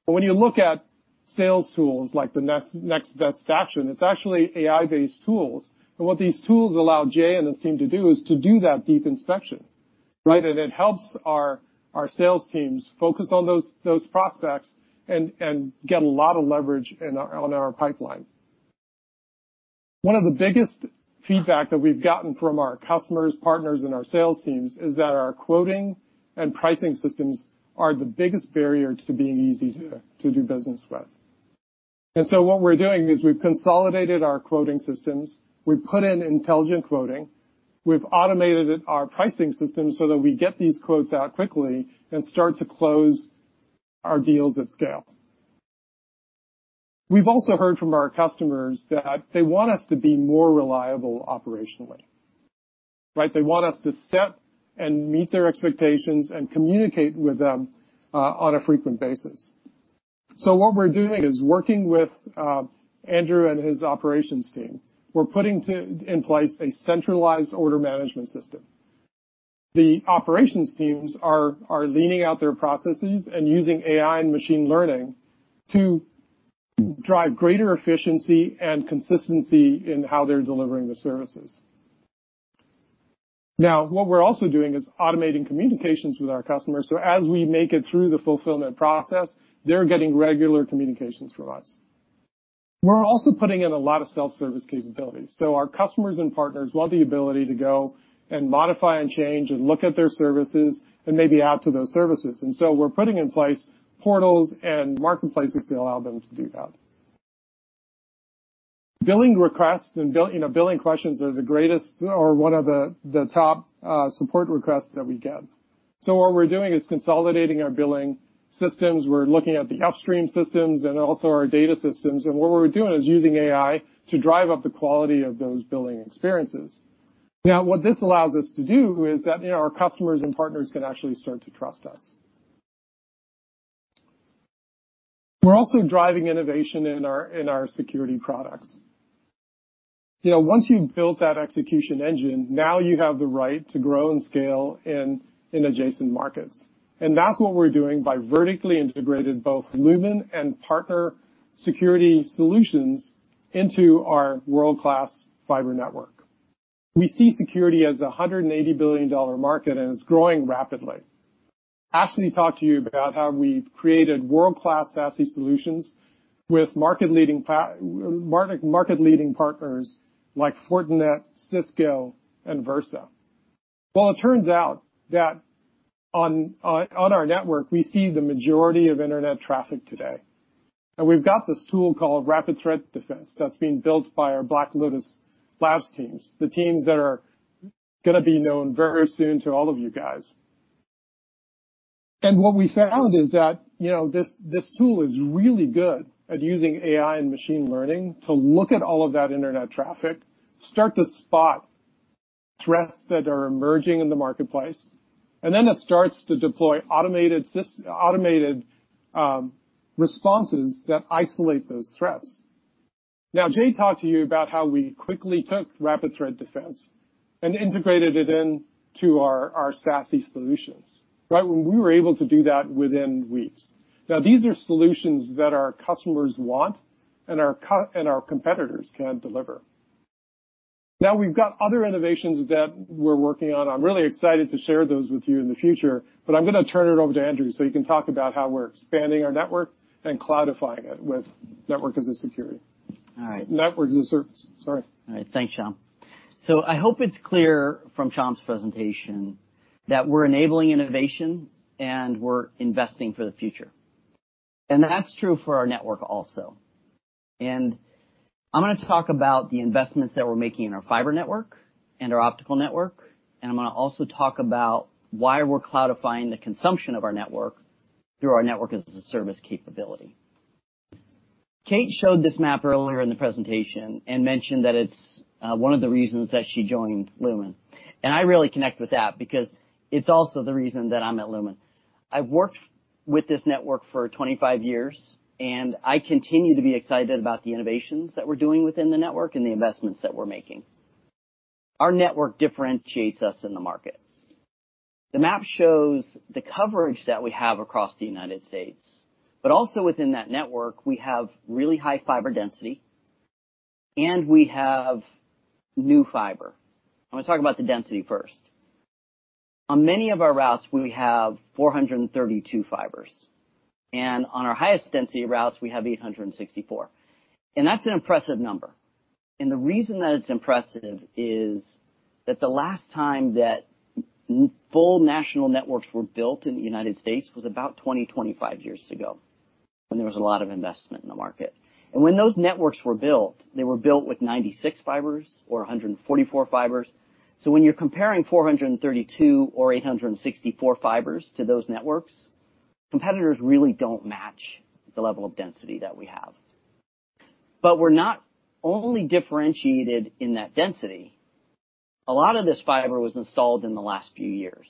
When you look at sales tools like the next best action, it's actually AI-based tools. What these tools allow Jay and his team to do is to do that deep inspection, right? It helps our sales teams focus on those prospects and get a lot of leverage on our pipeline. One of the biggest feedback that we've gotten from our customers, partners, and our sales teams is that our quoting and pricing systems are the biggest barrier to being easy to do business with. What we're doing is we've consolidated our quoting systems. We've put in intelligent quoting. We've automated it, our pricing system, so that we get these quotes out quickly and start to close our deals at scale. We've also heard from our customers that they want us to be more reliable operationally, right? They want us to set and meet their expectations and communicate with them on a frequent basis. What we're doing is working with Andrew and his operations team. We're putting in place a centralized order management system. The operations teams are leaning out their processes and using AI and machine learning to drive greater efficiency and consistency in how they're delivering the services. What we're also doing is automating communications with our customers, so as we make it through the fulfillment process, they're getting regular communications from us. We're also putting in a lot of self-service capabilities, so our customers and partners want the ability to go and modify and change and look at their services and maybe add to those services. We're putting in place portals and marketplaces to allow them to do that. Billing requests and bill, you know, billing questions are the greatest or one of the top support requests that we get. What we're doing is consolidating our billing systems. We're looking at the upstream systems and also our data systems. What we're doing is using AI to drive up the quality of those billing experiences. What this allows us to do is that, you know, our customers and partners can actually start to trust us. We're also driving innovation in our security products. You know, once you've built that execution engine, now you have the right to grow and scale in adjacent markets. That's what we're doing by vertically integrated both Lumen and partner security solutions into our world-class fiber network. We see security as a $180 billion market. It's growing rapidly. Ashley talked to you about how we've created world-class SASE solutions with market-leading partners like Fortinet, Cisco, and Versa. Well, it turns out that on our network, we see the majority of Internet traffic today, and we've got this tool called Rapid Threat Defense that's being built by our Black Lotus Labs teams, the teams that are gonna be known very soon to all of you guys. What we found is that, you know, this tool is really good at using AI and machine learning to look at all of that Internet traffic, start to spot threats that are emerging in the marketplace, and then it starts to deploy automated responses that isolate those threats. Now, Jay talked to you about how we quickly took Rapid Threat Defense and integrated it into our SASE solutions, right? We were able to do that within weeks. Now, these are solutions that our customers want and our competitors can't deliver. Now, we've got other innovations that we're working on. I'm really excited to share those with you in the future, but I'm gonna turn it over to Andrew, so you can talk about how we're expanding our network and cloudifying it with network as a security. All right. Network-as-a-Service. Sorry. All right. Thanks, Sham. I hope it's clear from Sham's presentation that we're enabling innovation and we're investing for the future, and that's true for our network also. I'm gonna talk about the investments that we're making in our fiber network and our optical network, and I'm gonna also talk about why we're cloudifying the consumption of our network through our Network-as-a-Service capability. Kate showed this map earlier in the presentation and mentioned that it's one of the reasons that she joined Lumen, and I really connect with that because it's also the reason that I'm at Lumen. I've worked with this network for 25 years, and I continue to be excited about the innovations that we're doing within the network and the investments that we're making. Our network differentiates us in the market. The map shows the coverage that we have across the United States, but also within that network, we have really high fiber density, and we have new fiber. I'm gonna talk about the density first. On many of our routes, we have 432 fibers, and on our highest density routes, we have 864, and that's an impressive number. The reason that it's impressive is that the last time full national networks were built in the United States was about 20-25 years ago, when there was a lot of investment in the market. When those networks were built, they were built with 96 fibers or 144 fibers. When you're comparing 432 or 864 fibers to those networks, competitors really don't match the level of density that we have. We're not only differentiated in that density. A lot of this fiber was installed in the last few years,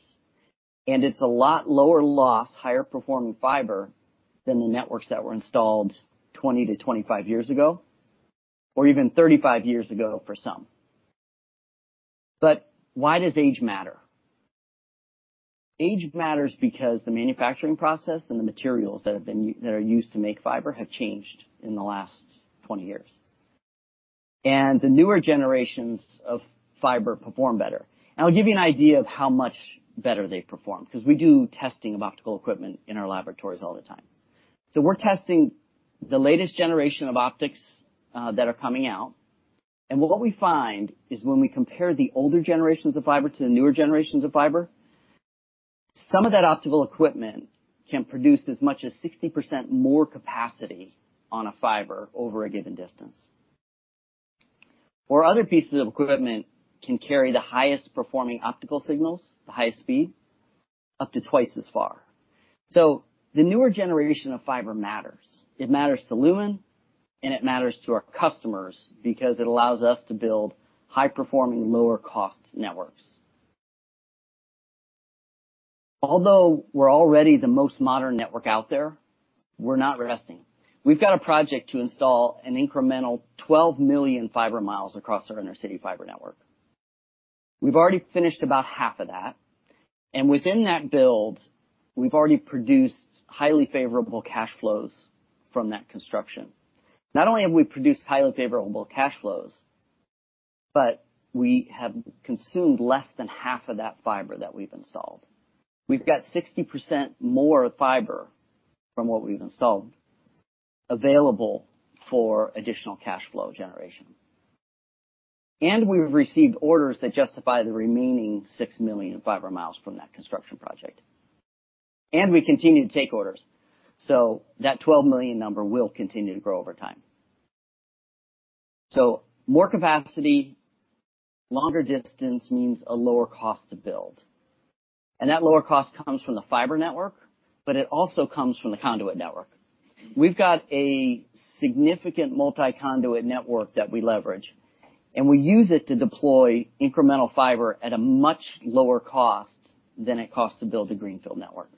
and it's a lot lower loss, higher-performing fiber than the networks that were installed 20-25 years ago, or even 35 years ago for some. Why does age matter? Age matters because the manufacturing process and the materials that are used to make fiber have changed in the last 20 years, and the newer generations of fiber perform better. I'll give you an idea of how much better they perform, because we do testing of optical equipment in our laboratories all the time. We're testing the latest generation of optics that are coming out, and what we find is when we compare the older generations of fiber to the newer generations of fiber, some of that optical equipment can produce as much as 60% more capacity on a fiber over a given distance. Other pieces of equipment can carry the highest performing optical signals, the highest speed, up to twice as far. The newer generation of fiber matters. It matters to Lumen, and it matters to our customers because it allows us to build high-performing, lower-cost networks. Although we're already the most modern network out there, we're not resting. We've got a project to install an incremental 12 million fiber miles across our inter-city fiber network. We've already finished about half of that, and within that build, we've already produced highly favorable cash flows from that construction. Not only have we produced highly favorable cash flows, but we have consumed less than half of that fiber that we've installed. We've got 60% more fiber from what we've installed available for additional cash flow generation. We've received orders that justify the remaining 6 million fiber miles from that construction project. We continue to take orders, that 12 million number will continue to grow over time. More capacity, longer distance means a lower cost to build, and that lower cost comes from the fiber network, but it also comes from the conduit network. We've got a significant multi-conduit network that we leverage, and we use it to deploy incremental fiber at a much lower cost than it costs to build a greenfield network.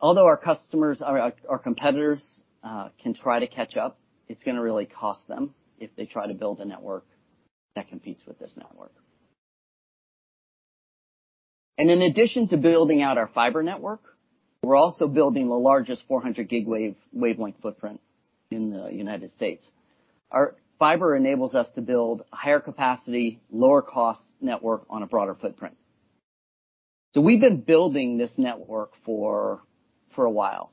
Although our customers... Our competitors can try to catch up, it's gonna really cost them if they try to build a network that competes with this network. In addition to building out our fiber network, we're also building the largest 400 Gbps wavelength footprint in the United States. Our fiber enables us to build a higher capacity, lower cost network on a broader footprint. We've been building this network for a while,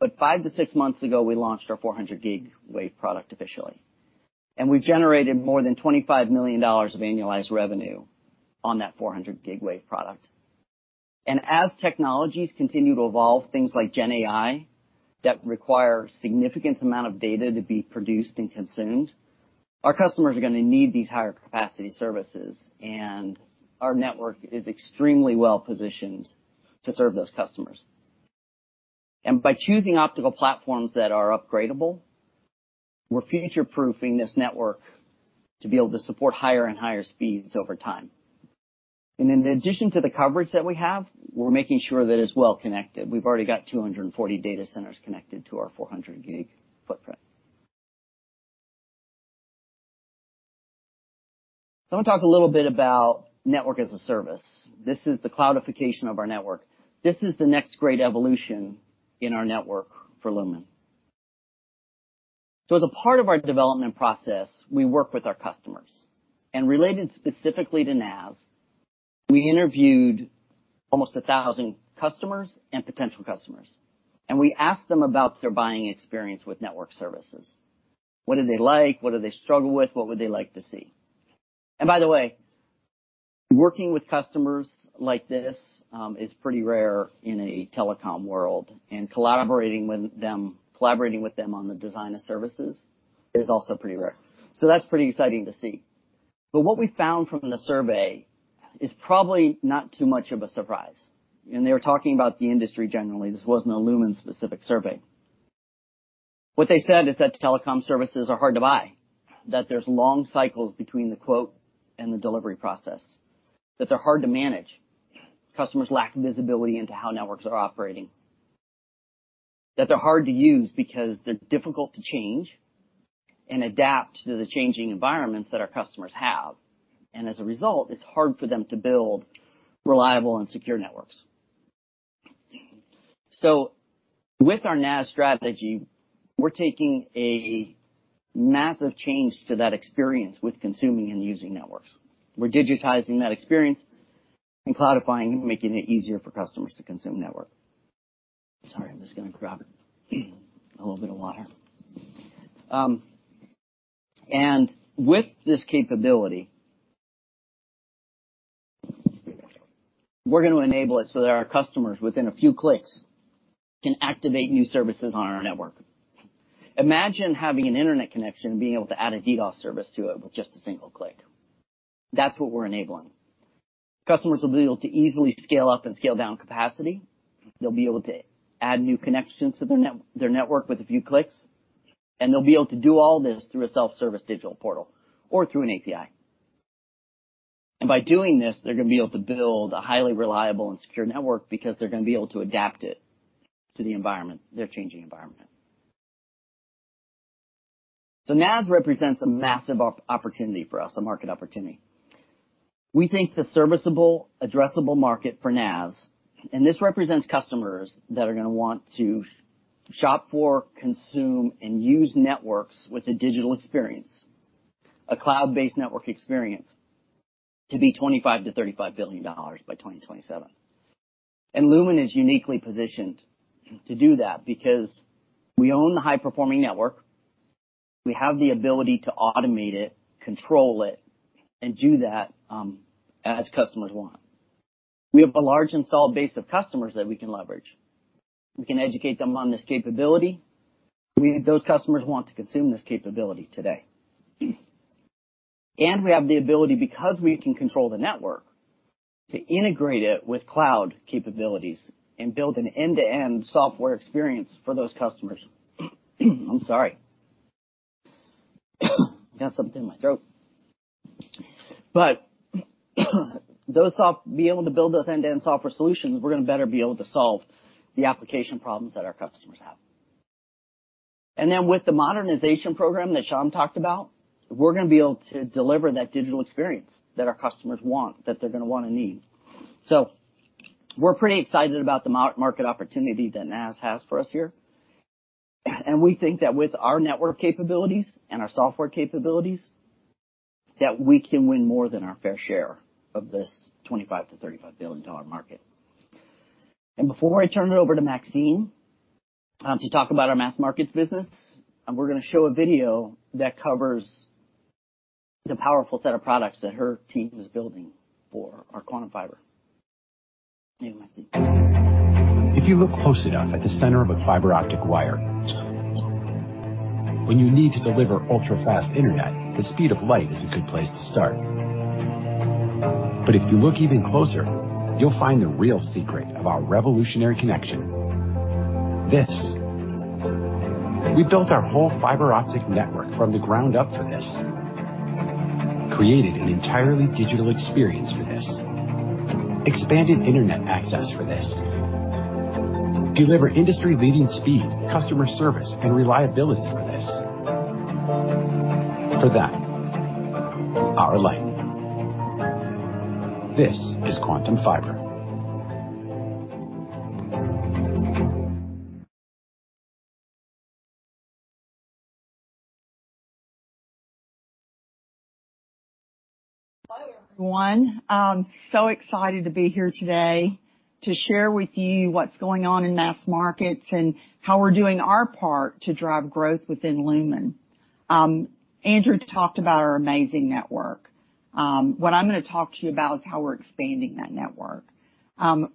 but 5-6 months ago, we launched our 400 Gbps wave product officially, and we've generated more than $25 million of annualized revenue on that 400 Gbps wave product. As technologies continue to evolve, things like Gen AI, that require significant amount of data to be produced and consumed, our customers are going to need these higher capacity services, and our network is extremely well positioned to serve those customers. By choosing optical platforms that are upgradable, we're future-proofing this network to be able to support higher and higher speeds over time. In addition to the coverage that we have, we're making sure that it's well connected. We've already got 240 data centers connected to our 400 Gbps footprint. I want to talk a little bit about Network-as-a-Service. This is the cloudification of our network. This is the next great evolution in our network for Lumen. As a part of our development process, we work with our customers. Related specifically to NaaS, we interviewed almost 1,000 customers and potential customers. We asked them about their buying experience with network services. What did they like? What do they struggle with? What would they like to see? By the way, working with customers like this, is pretty rare in a telecom world. Collaborating with them on the design of services is also pretty rare. That's pretty exciting to see. What we found from the survey is probably not too much of a surprise. They were talking about the industry generally. This wasn't a Lumen-specific survey. What they said is that telecom services are hard to buy, that there's long cycles between the quote and the delivery process, that they're hard to manage. Customers lack visibility into how networks are operating. They're hard to use because they're difficult to change and adapt to the changing environments that our customers have. As a result, it's hard for them to build reliable and secure networks. With our NaaS strategy, we're taking a massive change to that experience with consuming and using networks. We're digitizing that experience and cloudifying and making it easier for customers to consume network. Sorry, I'm just going to grab a little bit of water. With this capability, we're going to enable it so that our customers, within a few clicks, can activate new services on our network. Imagine having an internet connection and being able to add a DDoS service to it with just a single click. That's what we're enabling. Customers will be able to easily scale up and scale down capacity. They'll be able to add new connections to their network with a few clicks. They'll be able to do all this through a self-service digital portal or through an API. By doing this, they're going to be able to build a highly reliable and secure network because they're going to be able to adapt it to the environment, their changing environment. NaaS represents a massive opportunity for us, a market opportunity. We think the serviceable addressable market for NaaS, and this represents customers that are going to want to shop for, consume, and use networks with a digital experience, a cloud-based network experience, to be $25 billion-$35 billion by 2027. Lumen is uniquely positioned to do that because we own the high-performing network. We have the ability to automate it, control it, and do that as customers want. We have a large installed base of customers that we can leverage. We can educate them on this capability. We need those customers who want to consume this capability today. We have the ability, because we can control the network, to integrate it with cloud capabilities and build an end-to-end software experience for those customers. I'm sorry. Got something in my throat. Being able to build those end-to-end software solutions, we're going to better be able to solve the application problems that our customers have. With the modernization program that Sham talked about, we're going to be able to deliver that digital experience that our customers want, that they're going to want and need. We're pretty excited about the market opportunity that NaaS has for us here, and we think that with our network capabilities and our software capabilities, that we can win more than our fair share of this $25 billion-$35 billion market. Before I turn it over to Maxine, to talk about our mass markets business, we're going to show a video that covers the powerful set of products that her team is building for our Quantum Fiber. You, Maxine. If you look close enough at the center of a fiber optic wire. When you need to deliver ultra-fast internet, the speed of light is a good place to start. If you look even closer, you'll find the real secret of our revolutionary connection. This. We built our whole fiber optic network from the ground up for this, created an entirely digital experience for this, expanded internet access for this. Deliver industry-leading speed, customer service, and reliability for this. For that, our light. This is Quantum Fiber. Hello, everyone. I'm so excited to be here today to share with you what's going on in Mass Markets and how we're doing our part to drive growth within Lumen. Andrew talked about our amazing network. What I'm gonna talk to you about is how we're expanding that network.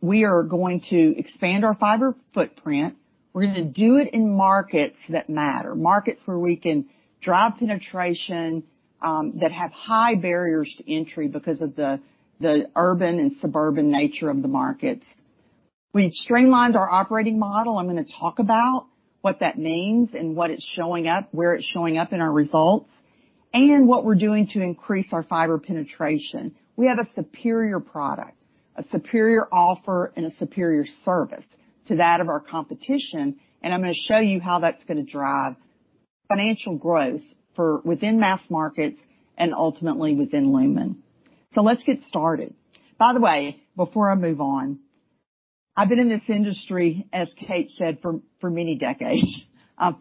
We are going to expand our fiber footprint. We're gonna do it in markets that matter, markets where we can drive penetration, that have high barriers to entry because of the urban and suburban nature of the markets. We've streamlined our operating model. I'm gonna talk about what that means and what it's showing up, where it's showing up in our results, and what we're doing to increase our fiber penetration. We have a superior product, a superior offer, and a superior service to that of our competition, I'm gonna show you how that's gonna drive financial growth for, within Mass Markets and ultimately within Lumen. Let's get started. By the way, before I move on, I've been in this industry, as Kate said, for many decades.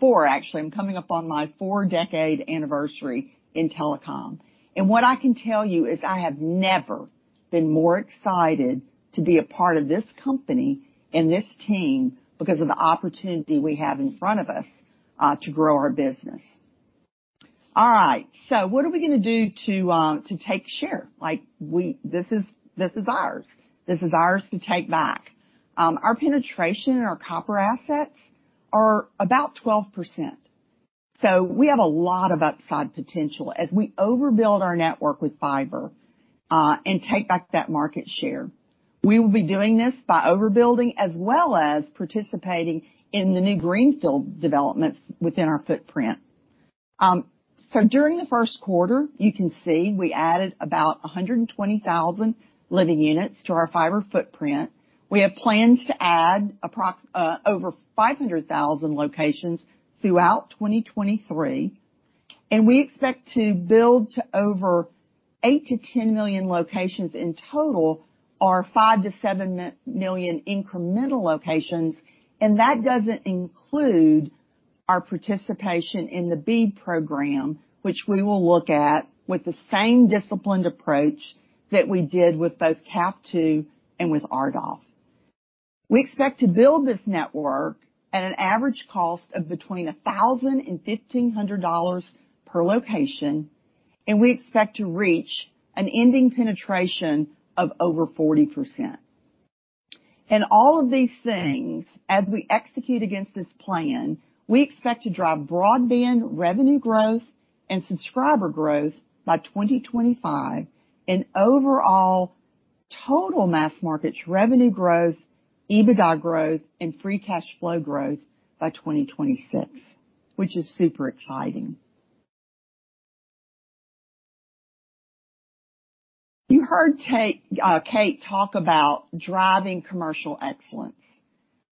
Four, actually. I'm coming up on my four-decade anniversary in telecom, what I can tell you is I have never been more excited to be a part of this company and this team because of the opportunity we have in front of us, to grow our business. All right. What are we gonna do to take share? Like, this is ours. This is ours to take back. Our penetration and our copper assets are about 12%, so we have a lot of upside potential as we overbuild our network with fiber and take back that market share. We will be doing this by overbuilding, as well as participating in the new greenfield developments within our footprint. During the first quarter, you can see we added about 120,000 living units to our fiber footprint. We have plans to add over 500,000 locations throughout 2023. We expect to build to over 8 million-10 million locations in total, or 5 million-7 million incremental locations. That doesn't include our participation in the BEAD program, which we will look at with the same disciplined approach that we did with both CAF II and with RDOF. We expect to build this network at an average cost of between $1,000 and $1,500 per location, we expect to reach an ending penetration of over 40%. All of these things, as we execute against this plan, we expect to drive broadband revenue growth and subscriber growth by 2025 and overall total Mass Markets revenue growth, EBITDA growth, and free cash flow growth by 2026, which is super exciting. You heard Kate talk about driving commercial excellence.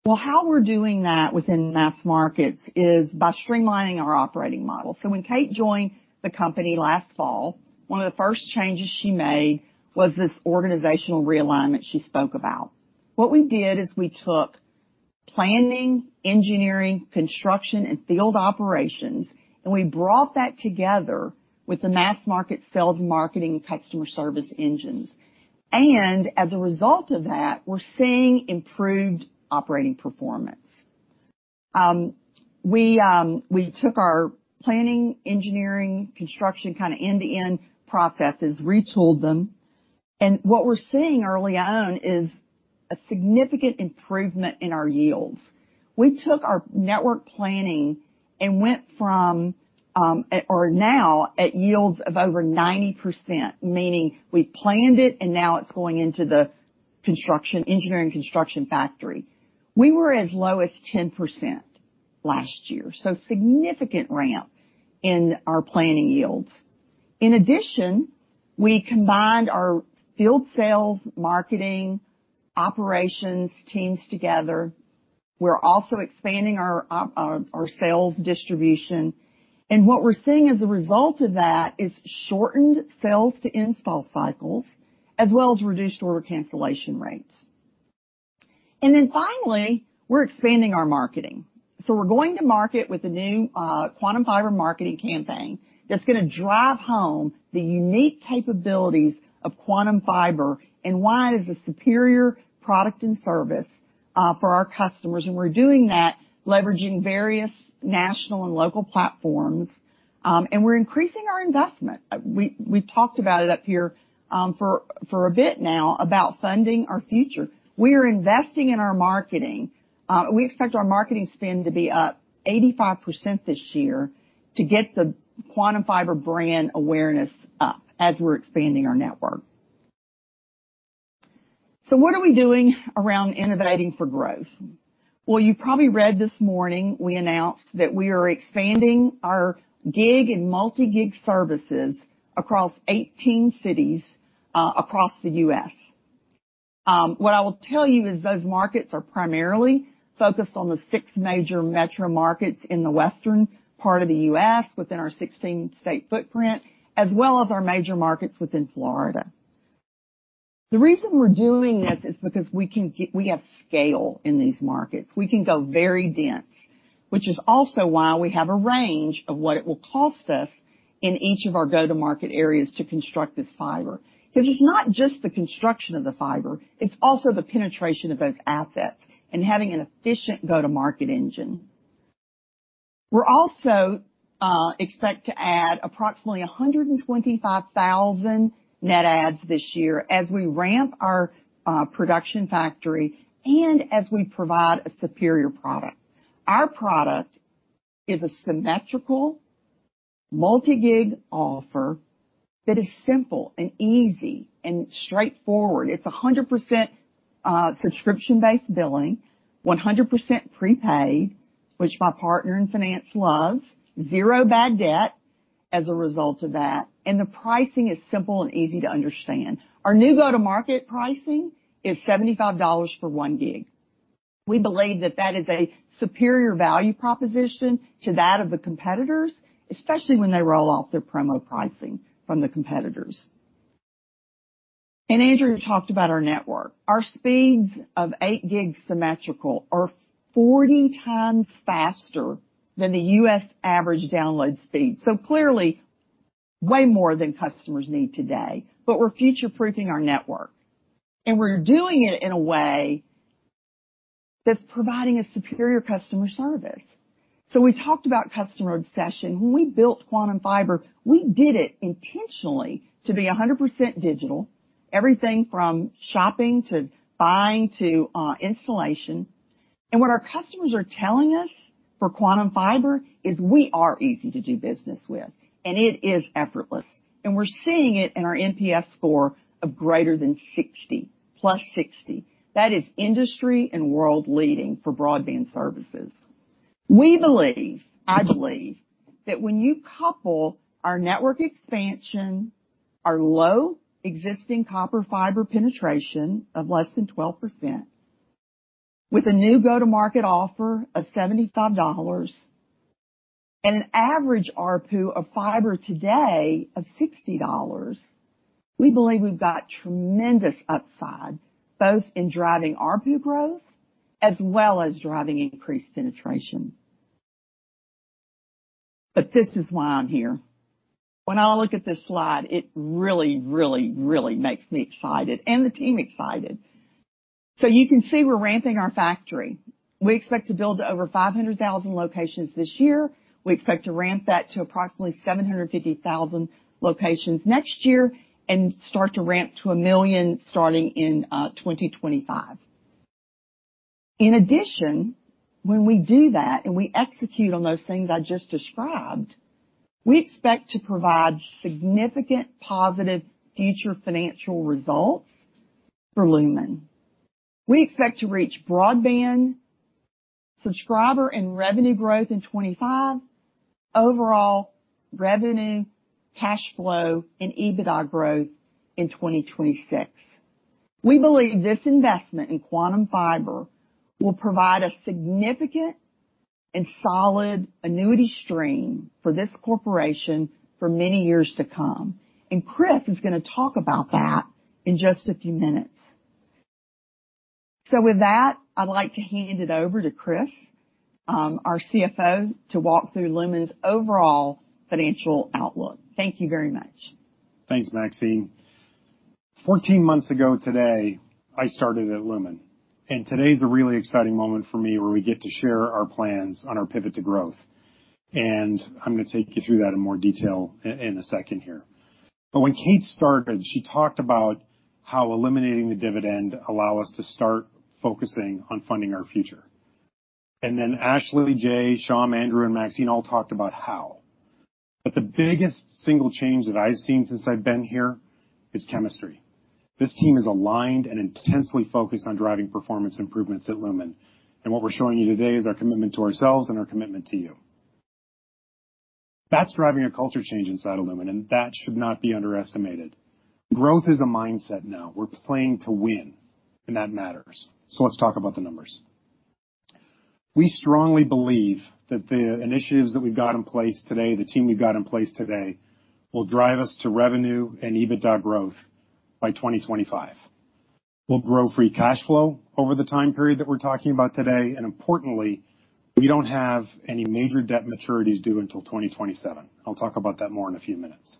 How we're doing that within Mass Markets is by streamlining our operating model. When Kate joined the company last fall, one of the first changes she made was this organizational realignment she spoke about. What we did is we took planning, engineering, construction, and field operations, we brought that together with the mass market sales, marketing, and customer service engines. As a result of that, we're seeing improved operating performance. We took our planning, engineering, construction, kind of end-to-end processes, retooled them, what we're seeing early on is a significant improvement in our yields. We took our network planning and went from now at yields of over 90%, meaning we planned it, now it's going into the construction, engineering construction factory. We were as low as 10% last year, significant ramp in our planning yields. In addition, we combined our field sales, marketing, operations teams together. We're also expanding our sales distribution, what we're seeing as a result of that is shortened sales to install cycles, as well as reduced order cancellation rates. Finally, we're expanding our marketing. We're going to market with a new Quantum Fiber marketing campaign that's gonna drive home the unique capabilities of Quantum Fiber and why it is a superior product and service for our customers. We're doing that leveraging various national and local platforms, and we're increasing our investment. We've talked about it up here for a bit now about funding our future. We are investing in our marketing. We expect our marketing spend to be up 85% this year to get the Quantum Fiber brand awareness up as we're expanding our network. What are we doing around innovating for growth? Well, you probably read this morning, we announced that we are expanding our Gbps and multi-Gbps services across 18 cities across the U.S. What I will tell you is those markets are primarily focused on the six major metro markets in the western part of the U.S., within our 16-state footprint, as well as our major markets within Florida. The reason we're doing this is because we have scale in these markets. We can go very dense, which is also why we have a range of what it will cost us in each of our go-to-market areas to construct this fiber. It's not just the construction of the fiber, it's also the penetration of those assets and having an efficient go-to-market engine. We're also expect to add approximately 125,000 net adds this year as we ramp our production factory and as we provide a superior product. Our product is a symmetrical, multi-Gbps offer that is simple and easy and straightforward. It's 100% subscription-based billing, 100% prepaid, which my partner in finance loves. Zero bad debt as a result of that, the pricing is simple and easy to understand. Our new go-to-market pricing is $75 for 1 Gbps. We believe that that is a superior value proposition to that of the competitors, especially when they roll off their promo pricing from the competitors. Andrew talked about our network. Our speeds of 8 Gbps symmetrical are 40x faster than the U.S. average download speed. Clearly, way more than customers need today, but we're future-proofing our network, and we're doing it in a way that's providing a superior customer service. We talked about customer obsession. When we built Quantum Fiber, we did it intentionally to be 100% digital, everything from shopping to buying to installation. What our customers are telling us for Quantum Fiber is we are easy to do business with, and it is effortless. We're seeing it in our NPS score of greater than 60, +60. That is industry and world-leading for broadband services. We believe, I believe, that when you couple our network expansion, our low existing copper fiber penetration of less than 12%, with a new go-to-market offer of $75 and an average ARPU of fiber today of $60, we believe we've got tremendous upside, both in driving ARPU growth as well as driving increased penetration. This is why I'm here. When I look at this slide, it really, really, really makes me excited, and the team excited. You can see we're ramping our factory. We expect to build over 500,000 locations this year. We expect to ramp that to approximately 750,000 locations next year and start to ramp to a million starting in 2025. In addition, when we do that, and we execute on those things I just described, we expect to provide significant positive future financial results for Lumen. We expect to reach broadband subscriber and revenue growth in 2025, overall revenue, cash flow, and EBITDA growth in 2026. We believe this investment in Quantum Fiber will provide a significant and solid annuity stream for this corporation for many years to come, and Chris is gonna talk about that in just a few minutes. With that, I'd like to hand it over to Chris, our CFO, to walk through Lumen's overall financial outlook. Thank you very much. Thanks, Maxine. 14 months ago today, I started at Lumen, and today is a really exciting moment for me, where we get to share our plans on our pivot to growth. I'm gonna take you through that in more detail in a second here. When Kate started, she talked about how eliminating the dividend allow us to start focusing on funding our future. Ashley, Jay, Sham, Andrew, and Maxine all talked about how. The biggest single change that I've seen since I've been here is chemistry. This team is aligned and intensely focused on driving performance improvements at Lumen, what we're showing you today is our commitment to ourselves and our commitment to you. That's driving a culture change inside of Lumen, that should not be underestimated. Growth is a mindset now. We're playing to win. That matters. Let's talk about the numbers. We strongly believe that the initiatives that we've got in place today, the team we've got in place today, will drive us to revenue and EBITDA growth by 2025. We'll grow free cash flow over the time period that we're talking about today, and importantly, we don't have any major debt maturities due until 2027. I'll talk about that more in a few minutes.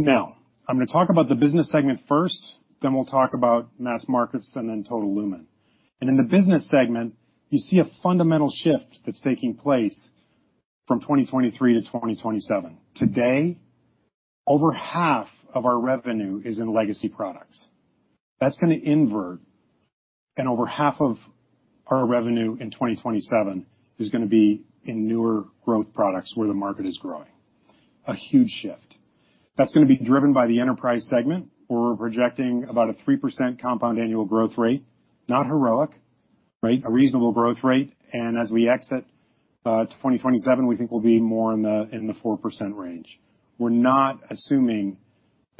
I'm gonna talk about the business segment first, then we'll talk about mass markets and then total Lumen. In the business segment, you see a fundamental shift that's taking place from 2023-2027. Today, over half of our revenue is in legacy products. That's gonna invert, and over half of our revenue in 2027 is gonna be in newer growth products, where the market is growing. A huge shift. That's gonna be driven by the enterprise segment. We're projecting about a 3% compound annual growth rate. Not heroic, right? A reasonable growth rate, and as we exit, to 2027, we think we'll be more in the, in the 4% range. We're not assuming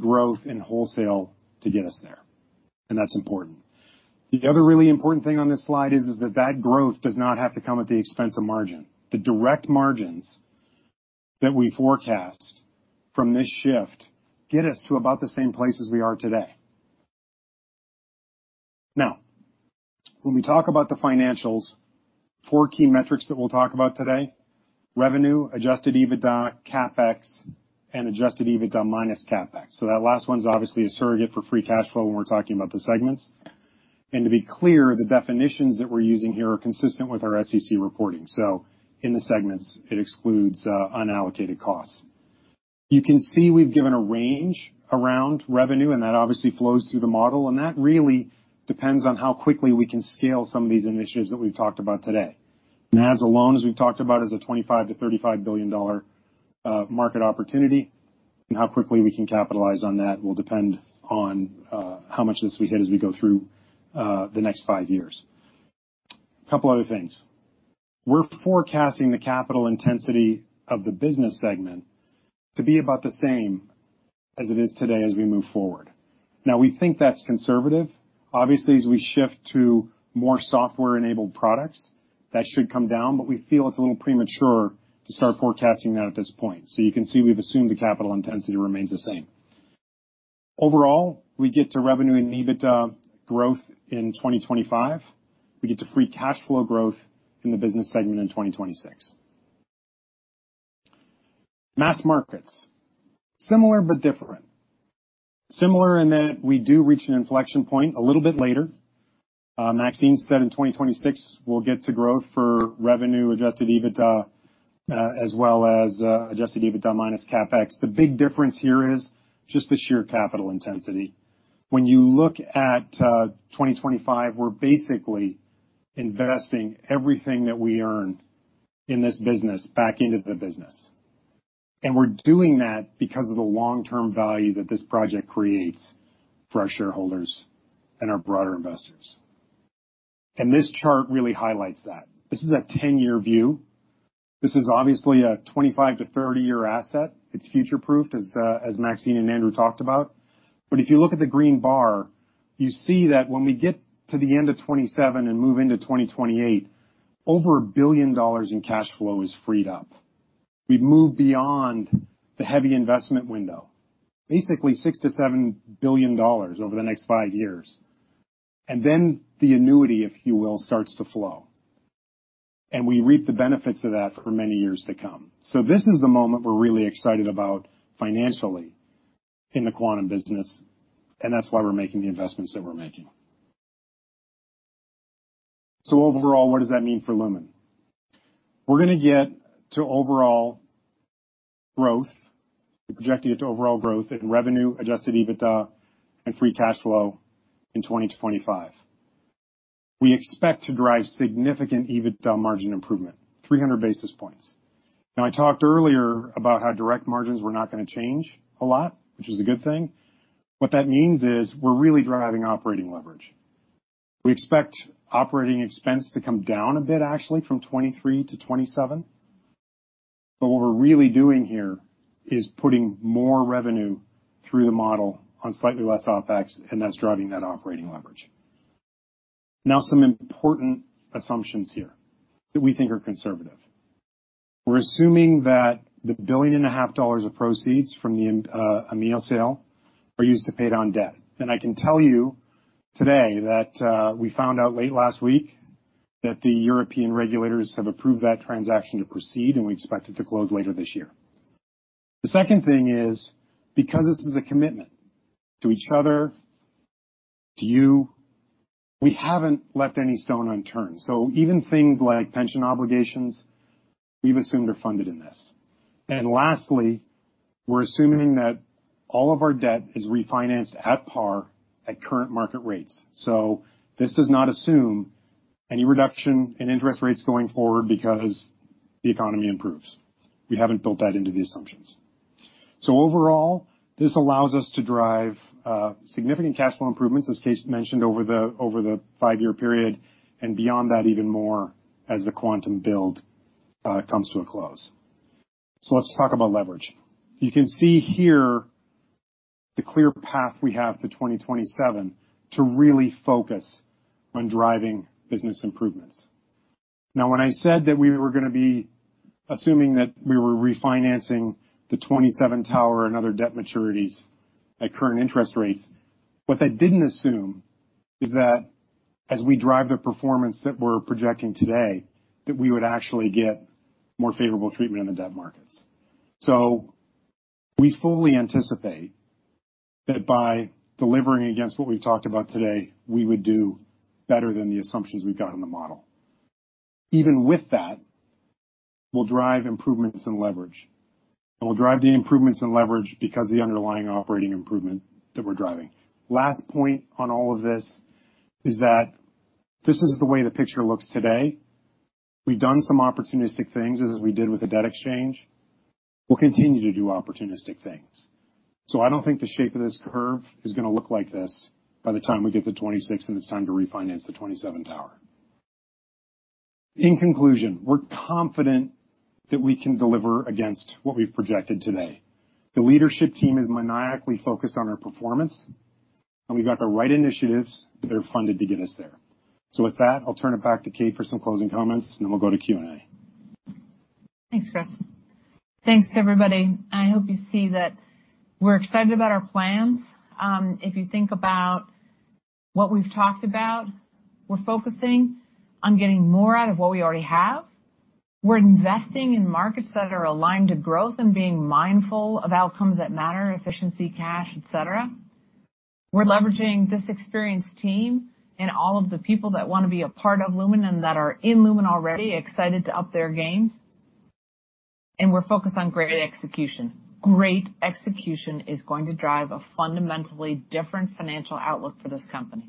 growth in wholesale to get us there, and that's important. The other really important thing on this slide is that growth does not have to come at the expense of margin. The direct margins that we forecast from this shift get us to about the same place as we are today. Now, when we talk about the financials, four key metrics that we'll talk about today: revenue, adjusted EBITDA, CapEx, and adjusted EBITDA minus CapEx. That last one's obviously a surrogate for free cash flow when we're talking about the segments. To be clear, the definitions that we're using here are consistent with our SEC reporting. In the segments, it excludes unallocated costs. You can see we've given a range around revenue, that obviously flows through the model, that really depends on how quickly we can scale some of these initiatives that we've talked about today. NaaS alone, as we've talked about, is a $25 billion-$35 billion market opportunity, how quickly we can capitalize on that will depend on how much this we hit as we go through the next five years. Couple other things. We're forecasting the capital intensity of the business segment to be about the same as it is today as we move forward. We think that's conservative. As we shift to more software-enabled products, that should come down, but we feel it's a little premature to start forecasting that at this point. You can see we've assumed the capital intensity remains the same. Overall, we get to revenue and EBITDA growth in 2025. We get to free cash flow growth in the business segment in 2026. Mass markets, similar but different. Similar in that we do reach an inflection point a little bit later. Maxine said in 2026, we'll get to growth for revenue, adjusted EBITDA, as well as adjusted EBITDA minus CapEx. The big difference here is just the sheer capital intensity. When you look at 2025, we're basically investing everything that we earn in this business back into the business. We're doing that because of the long-term value that this project creates for our shareholders and our broader investors. This chart really highlights that. This is a 10-year view. This is obviously a 25- to 30-year asset. It's future-proof, as Maxine and Andrew talked about. If you look at the green bar, you see that when we get to the end of 2027 and move into 2028, over $1 billion in cash flow is freed up. We've moved beyond the heavy investment window, basically $6 billion-$7 billion over the next five years. Then the annuity, if you will, starts to flow, and we reap the benefits of that for many years to come. This is the moment we're really excited about financially in the Quantum business, and that's why we're making the investments that we're making. Overall, what does that mean for Lumen? We're going to get to overall growth. We're projecting it to overall growth in revenue, adjusted EBITDA, and free cash flow in 2025. We expect to drive significant EBITDA margin improvement, 300 basis points. I talked earlier about how direct margins were not gonna change a lot, which is a good thing. What that means is we're really driving operating leverage. We expect operating expense to come down a bit, actually, from 2023-2027, but what we're really doing here is putting more revenue through the model on slightly less OpEx, and that's driving that operating leverage. Some important assumptions here that we think are conservative. We're assuming that the billion and a half dollars of proceeds from the EMEA sale are used to pay down debt. I can tell you today that we found out late last week that the European regulators have approved that transaction to proceed, and we expect it to close later this year. The second thing is, because this is a commitment to each other, to you, we haven't left any stone unturned. Even things like pension obligations, we've assumed are funded in this. Lastly, we're assuming that all of our debt is refinanced at par at current market rates. This does not assume any reduction in interest rates going forward because the economy improves. We haven't built that into the assumptions. Overall, this allows us to drive significant cash flow improvements, as Kate mentioned, over the five-year period, and beyond that, even more as the Quantum build comes to a close. Let's talk about leverage. You can see here the clear path we have to 2027 to really focus on driving business improvements. When I said that we were gonna be assuming that we were refinancing the 27 tower and other debt maturities at current interest rates, what that didn't assume is that as we drive the performance that we're projecting today, that we would actually get more favorable treatment in the debt markets. We fully anticipate that by delivering against what we've talked about today, we would do better than the assumptions we've got in the model. Even with that, we'll drive improvements in leverage, and we'll drive the improvements in leverage because the underlying operating improvement that we're driving. Last point on all of this is that this is the way the picture looks today. We've done some opportunistic things, as we did with the debt exchange. We'll continue to do opportunistic things. I don't think the shape of this curve is gonna look like this by the time we get to 26 and it's time to refinance the 27 tower. In conclusion, we're confident that we can deliver against what we've projected today. The leadership team is maniacally focused on our performance. We've got the right initiatives that are funded to get us there. With that, I'll turn it back to Kate for some closing comments, and then we'll go to Q&A. Thanks, Chris. Thanks, everybody. I hope you see that we're excited about our plans. If you think about what we've talked about, we're focusing on getting more out of what we already have. We're investing in markets that are aligned to growth and being mindful of outcomes that matter, efficiency, cash, et cetera. We're leveraging this experienced team and all of the people that want to be a part of Lumen and that are in Lumen already, excited to up their games, and we're focused on great execution. Great execution is going to drive a fundamentally different financial outlook for this company.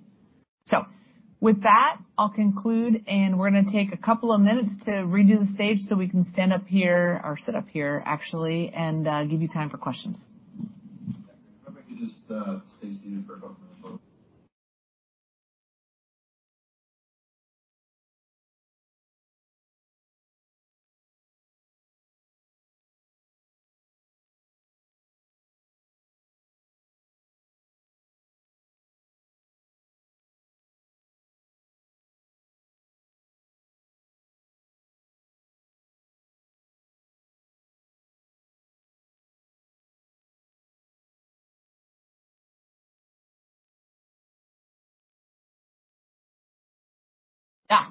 With that, I'll conclude, and we're going to take a couple of minutes to redo the stage so we can stand up here or sit up here, actually, and give you time for questions. If you could just stay seated for a couple of minutes. Yeah.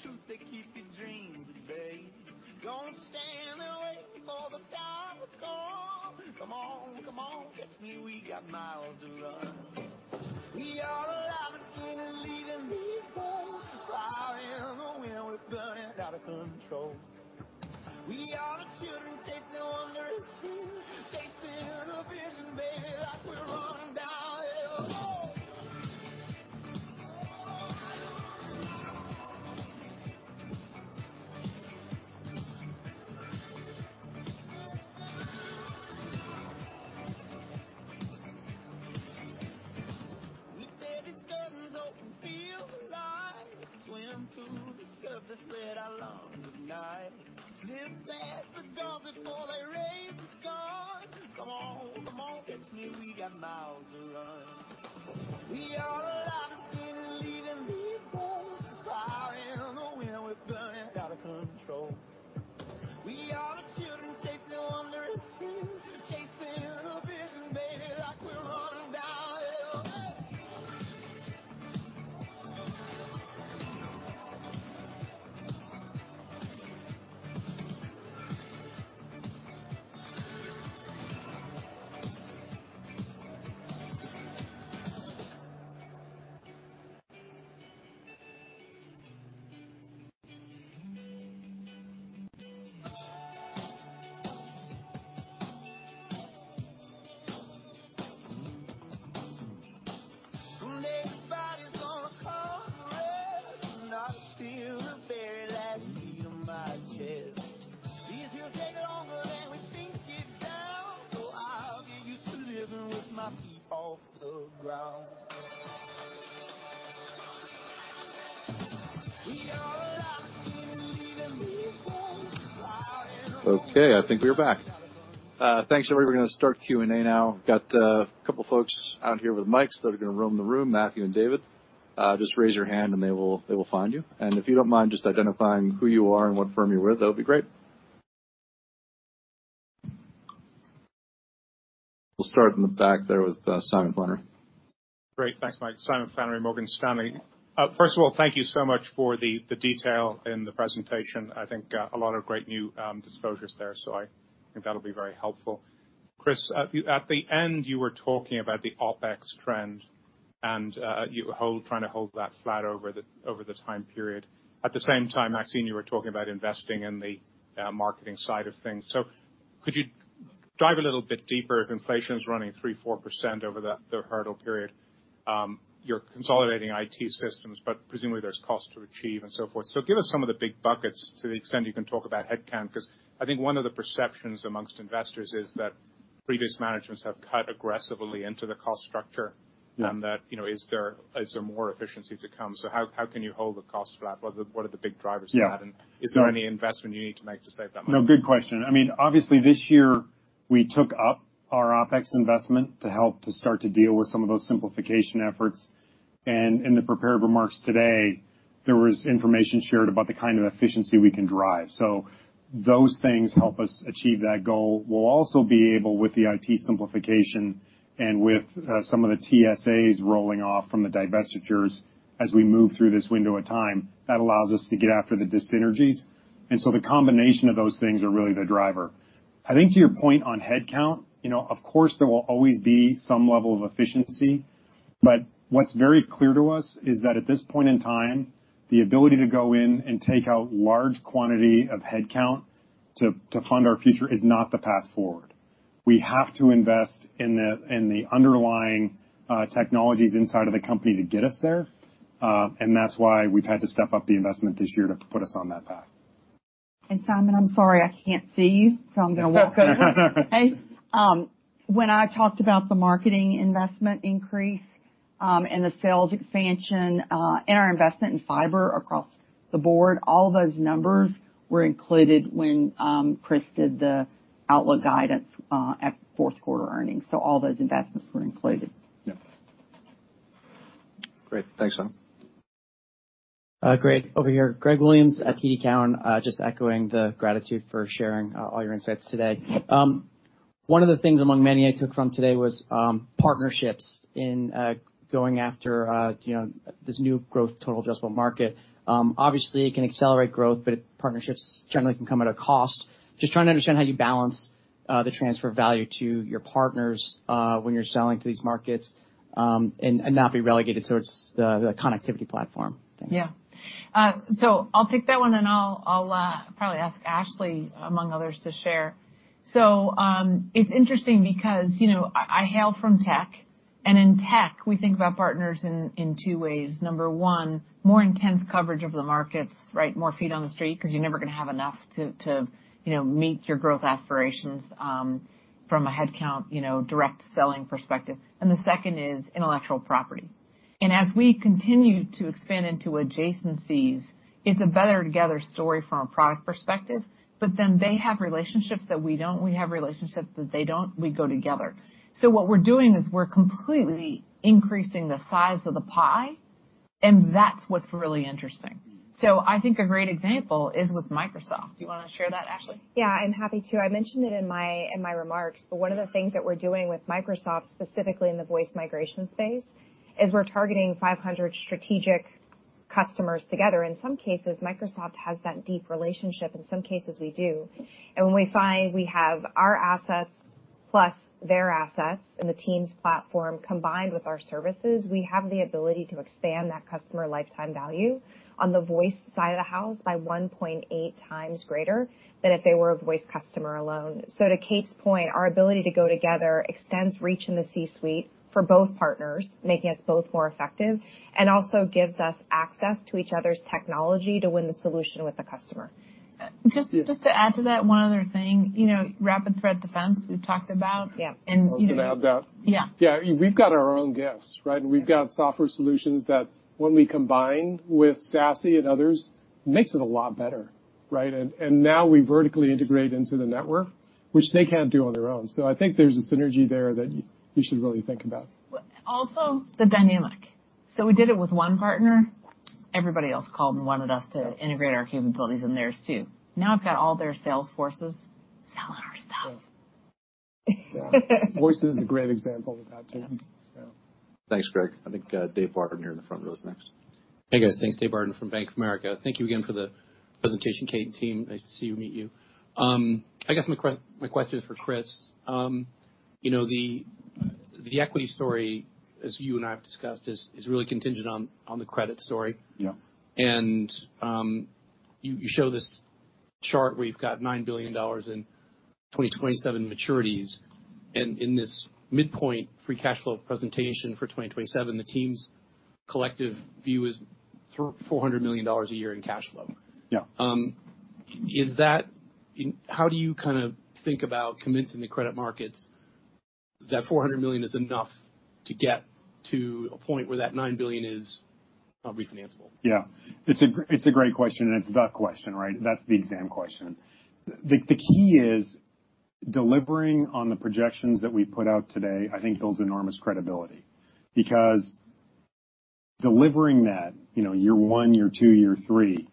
One moment. Okay, I think we're back. Thanks, everybody. We're gonna start Q&A now. Got a couple folks out here with mics that are gonna roam the room, Matthew and David. Just raise your hand and they will find you. If you don't mind just identifying who you are and what firm you're with, that would be great. We'll start in the back there with Simon Flannery. Great. Thanks, Mike. Simon Flannery, Morgan Stanley. First of all, thank you so much for the detail in the presentation. I think a lot of great new disclosures there, so I think that'll be very helpful. Chris, at the end, you were talking about the OpEx trend, and trying to hold that flat over the time period. At the same time, Maxine, you were talking about investing in the marketing side of things. Could you dive a little bit deeper if inflation is running 3%, 4% over the hurdle period, you're consolidating IT systems, but presumably there's cost to achieve and so forth? Give us some of the big buckets to the extent you can talk about headcount, because I think one of the perceptions amongst investors is that previous managements have cut aggressively into the cost structure. Yeah. That, you know, is there more efficiency to come? How can you hold the cost flat? What are the big drivers of that? Yeah. Is there any investment you need to make to save that money? No, good question. I mean, obviously, this year we took up our OpEx investment to help to start to deal with some of those simplification efforts. In the prepared remarks today, there was information shared about the kind of efficiency we can drive. Those things help us achieve that goal. We'll also be able, with the IT simplification and with some of the TSAs rolling off from the divestitures as we move through this window of time, that allows us to get after the dyssynergies. The combination of those things are really the driver. I think to your point on headcount, you know, of course, there will always be some level of efficiency, but what's very clear to us is that at this point in time, the ability to go in and take out large quantity of headcount to fund our future is not the path forward. We have to invest in the underlying technologies inside of the company to get us there. That's why we've had to step up the investment this year to put us on that path. Simon, I'm sorry, I can't see you, so I'm gonna walk over. When I talked about the marketing investment increase, and the sales expansion, and our investment in fiber across the board, all those numbers were included when Chris did the outlook guidance at fourth quarter earnings. All those investments were included. Yeah. Great. Thanks, Simon. Greg, over here. Greg Williams at TD Cowen. Just echoing the gratitude for sharing all your insights today. One of the things among many I took from today was partnerships in going after, you know, this new growth, total addressable market. Obviously it can accelerate growth, but partnerships generally can come at a cost. Just trying to understand how you balance the transfer value to your partners when you're selling to these markets and not be relegated towards the connectivity platform. Thanks. Yeah. I'll take that one, and I'll probably ask Ashley, among others, to share. It's interesting because, you know, I hail from tech, and in tech, we think about partners in two ways. Number one, more intense coverage of the markets, right? More feet on the street, because you're never gonna have enough to, you know, meet your growth aspirations from a headcount, you know, direct selling perspective. The second is intellectual property. As we continue to expand into adjacencies, it's a better together story from a product perspective, but then they have relationships that we don't. We have relationships that they don't. We go together. What we're doing is we're completely increasing the size of the pie, and that's what's really interesting. I think a great example is with Microsoft. Do you want to share that, Ashley? I'm happy to. I mentioned it in my, in my remarks, but one of the things that we're doing with Microsoft, specifically in the voice migration space, is we're targeting 500 strategic customers together. In some cases, Microsoft has that deep relationship, in some cases, we do. When we find we have our assets plus their assets in the Teams platform, combined with our services, we have the ability to expand that customer lifetime value on the voice side of the house by 1.8x greater than if they were a voice customer alone. To Kate's point, our ability to go together extends reach in the C-suite for both partners, making us both more effective, and also gives us access to each other's technology to win the solution with the customer. Just to add to that one other thing, you know, Rapid Threat Defense we've talked about. Yeah. you know... I'll add that. Yeah. Yeah, we've got our own gifts, right? We've got software solutions that when we combine with SASE and others, makes it a lot better, right? Now we vertically integrate into the network, which they can't do on their own. I think there's a synergy there that you should really think about. Well, also the dynamic. We did it with one partner. Everybody else called and wanted us to integrate our capabilities in theirs, too. Now I've got all their sales forces selling our stuff. Yeah. Voice is a great example of that, too. Yeah. Yeah. Thanks, Greg. I think, David Barden, here in the front row, is next. Hey, guys. Thanks. David Barden from Bank of America. Thank you again for the presentation, Kate and team. Nice to see you and meet you. I guess my question is for Chris. You know, the equity story, as you and I have discussed, is really contingent on the credit story. Yeah. You show this chart where you've got $9 billion in 2027 maturities, and in this midpoint free cash flow presentation for 2027, the team's collective view is $400 million a year in cash flow. Yeah. How do you kind of think about convincing the credit markets that $400 million is enough to get to a point where that $9 billion is re-financable? Yeah, it's a great question, and it's the question, right? That's the exam question. The key is delivering on the projections that we put out today, I think, builds enormous credibility. Because delivering that, you know, year one, year two, year three,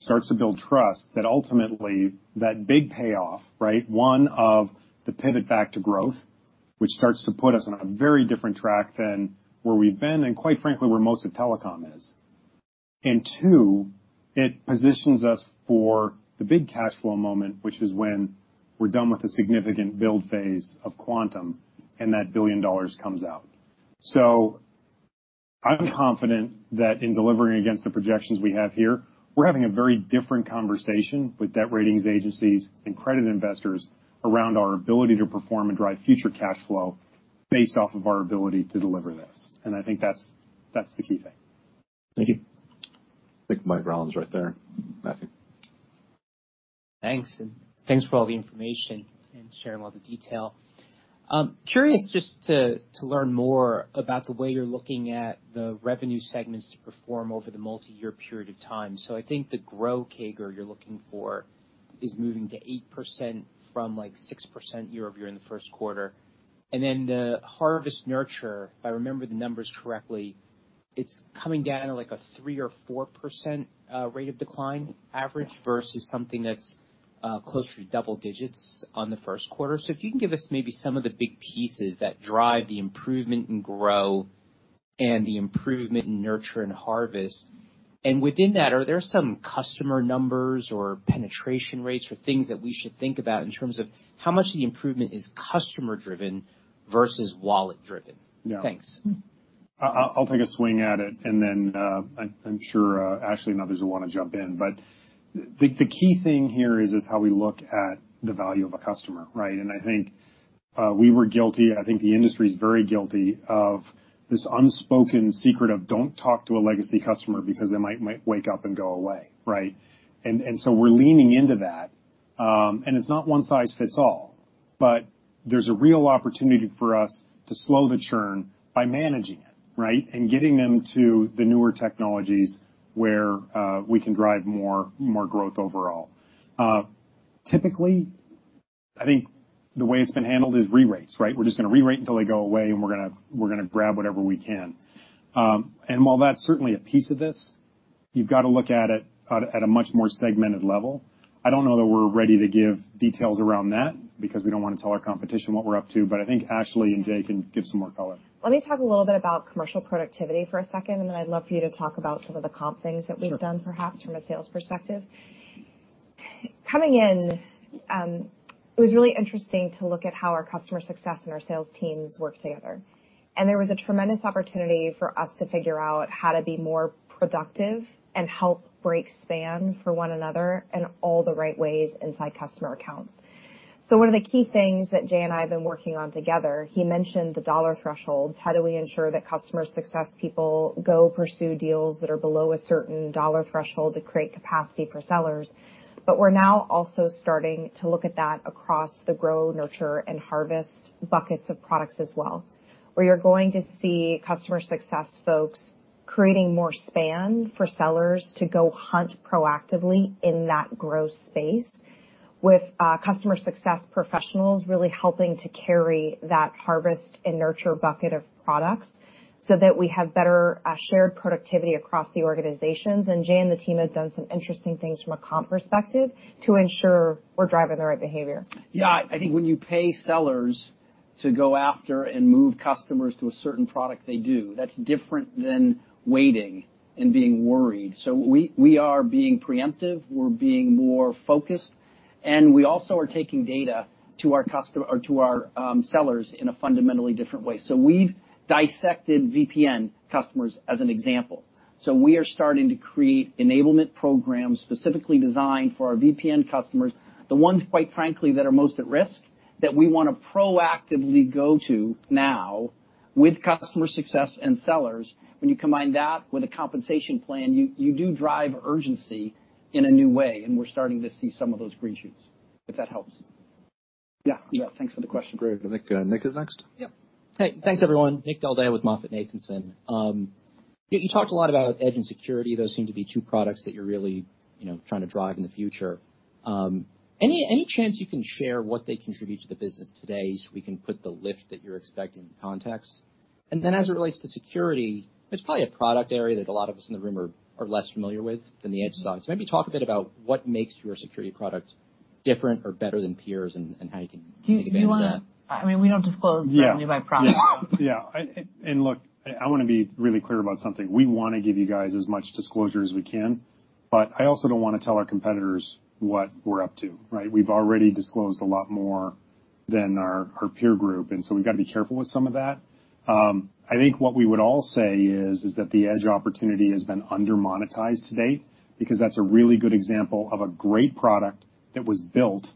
starts to build trust that ultimately that big payoff, right? One, of the pivot back to growth, which starts to put us on a very different track than where we've been, and quite frankly, where most of telecom is. Two, it positions us for the big cash flow moment, which is when we're done with a significant build phase of Quantum and that $1 billion comes out. I'm confident that in delivering against the projections we have here, we're having a very different conversation with debt ratings agencies and credit investors around our ability to perform and drive future cash flow based off of our ability to deliver this. I think that's the key thing. Thank you. I think Mike Rollins right there. Matthew. Thanks, thanks for all the information and sharing all the detail. Curious just to learn more about the way you're looking at the revenue segments to perform over the multi-year period of time. I think the grow CAGR you're looking for is moving to 8% from, like, 6% year-over-year in the first quarter. The harvest nurture, if I remember the numbers correctly, it's coming down to, like, a 3% or 4% rate of decline average versus something that's closer to double digits on the first quarter. If you can give us maybe some of the big pieces that drive the improvement in grow and the improvement in nurture and harvest. Within that, are there some customer numbers or penetration rates or things that we should think about in terms of how much of the improvement is customer-driven versus wallet-driven? Yeah. Thanks. I'll take a swing at it, then I'm sure Ashley and others will want to jump in. The key thing here is how we look at the value of a customer, right? I think we were guilty, I think the industry is very guilty, of this unspoken secret of don't talk to a legacy customer because they might wake up and go away, right? So we're leaning into that. It's not one size fits all, but there's a real opportunity for us to slow the churn by managing it, right? Getting them to the newer technologies where we can drive more growth overall. Typically, I think the way it's been handled is rerates, right? We're just going to rerate until they go away, we're going to grab whatever we can. While that's certainly a piece of this, you've got to look at it at a much more segmented level. I don't know that we're ready to give details around that because we don't want to tell our competition what we're up to, I think Ashley and Jay can give some more color. Let me talk a little bit about commercial productivity for a second, and then I'd love for you to talk about some of the comp things that. Sure. done, perhaps from a sales perspective. Coming in, it was really interesting to look at how our customer success and our sales teams worked together. There was a tremendous opportunity for us to figure out how to be more productive and help break span for one another in all the right ways inside customer accounts. One of the key things that Jay and I have been working on together, he mentioned the dollar thresholds. How do we ensure that customer success people go pursue deals that are below a certain dollar threshold to create capacity for sellers? We're now also starting to look at that across the grow, nurture, and harvest buckets of products as well, where you're going to see customer success folks creating more span for sellers to go hunt proactively in that growth space. with, customer success professionals really helping to carry that harvest and nurture bucket of products so that we have better, shared productivity across the organizations. Jay and the team have done some interesting things from a comp perspective to ensure we're driving the right behavior. Yeah. I think when you pay sellers to go after and move customers to a certain product, they do. That's different than waiting and being worried. We are being preemptive, we're being more focused, and we also are taking data to our sellers in a fundamentally different way. We've dissected VPN customers as an example. We are starting to create enablement programs specifically designed for our VPN customers, the ones, quite frankly, that are most at risk, that we wanna proactively go to now with customer success and sellers. When you combine that with a compensation plan, you do drive urgency in a new way, and we're starting to see some of those green shoots, if that helps. Yeah. Yeah. Thanks for the question. Great. I think, Nick is next. Yep. Hey, thanks, everyone. Nick Del Deo with MoffettNathanson. You talked a lot about edge and security. Those seem to be two products that you're really, you know, trying to drive in the future. Any chance you can share what they contribute to the business today, so we can put the lift that you're expecting in context? As it relates to security, it's probably a product area that a lot of us in the room are less familiar with than the edge side. Maybe talk a bit about what makes your security product different or better than peers and how you can advance that? Do you wanna? I mean, we don't disclose. Yeah. our new product. Yeah. Yeah. Look, I wanna be really clear about something. We wanna give you guys as much disclosure as we can, but I also don't wanna tell our competitors what we're up to, right? We've already disclosed a lot more than our peer group, so we've gotta be careful with some of that. I think what we would all say is that the edge opportunity has been under-monetized to date because that's a really good example of a great product that was built,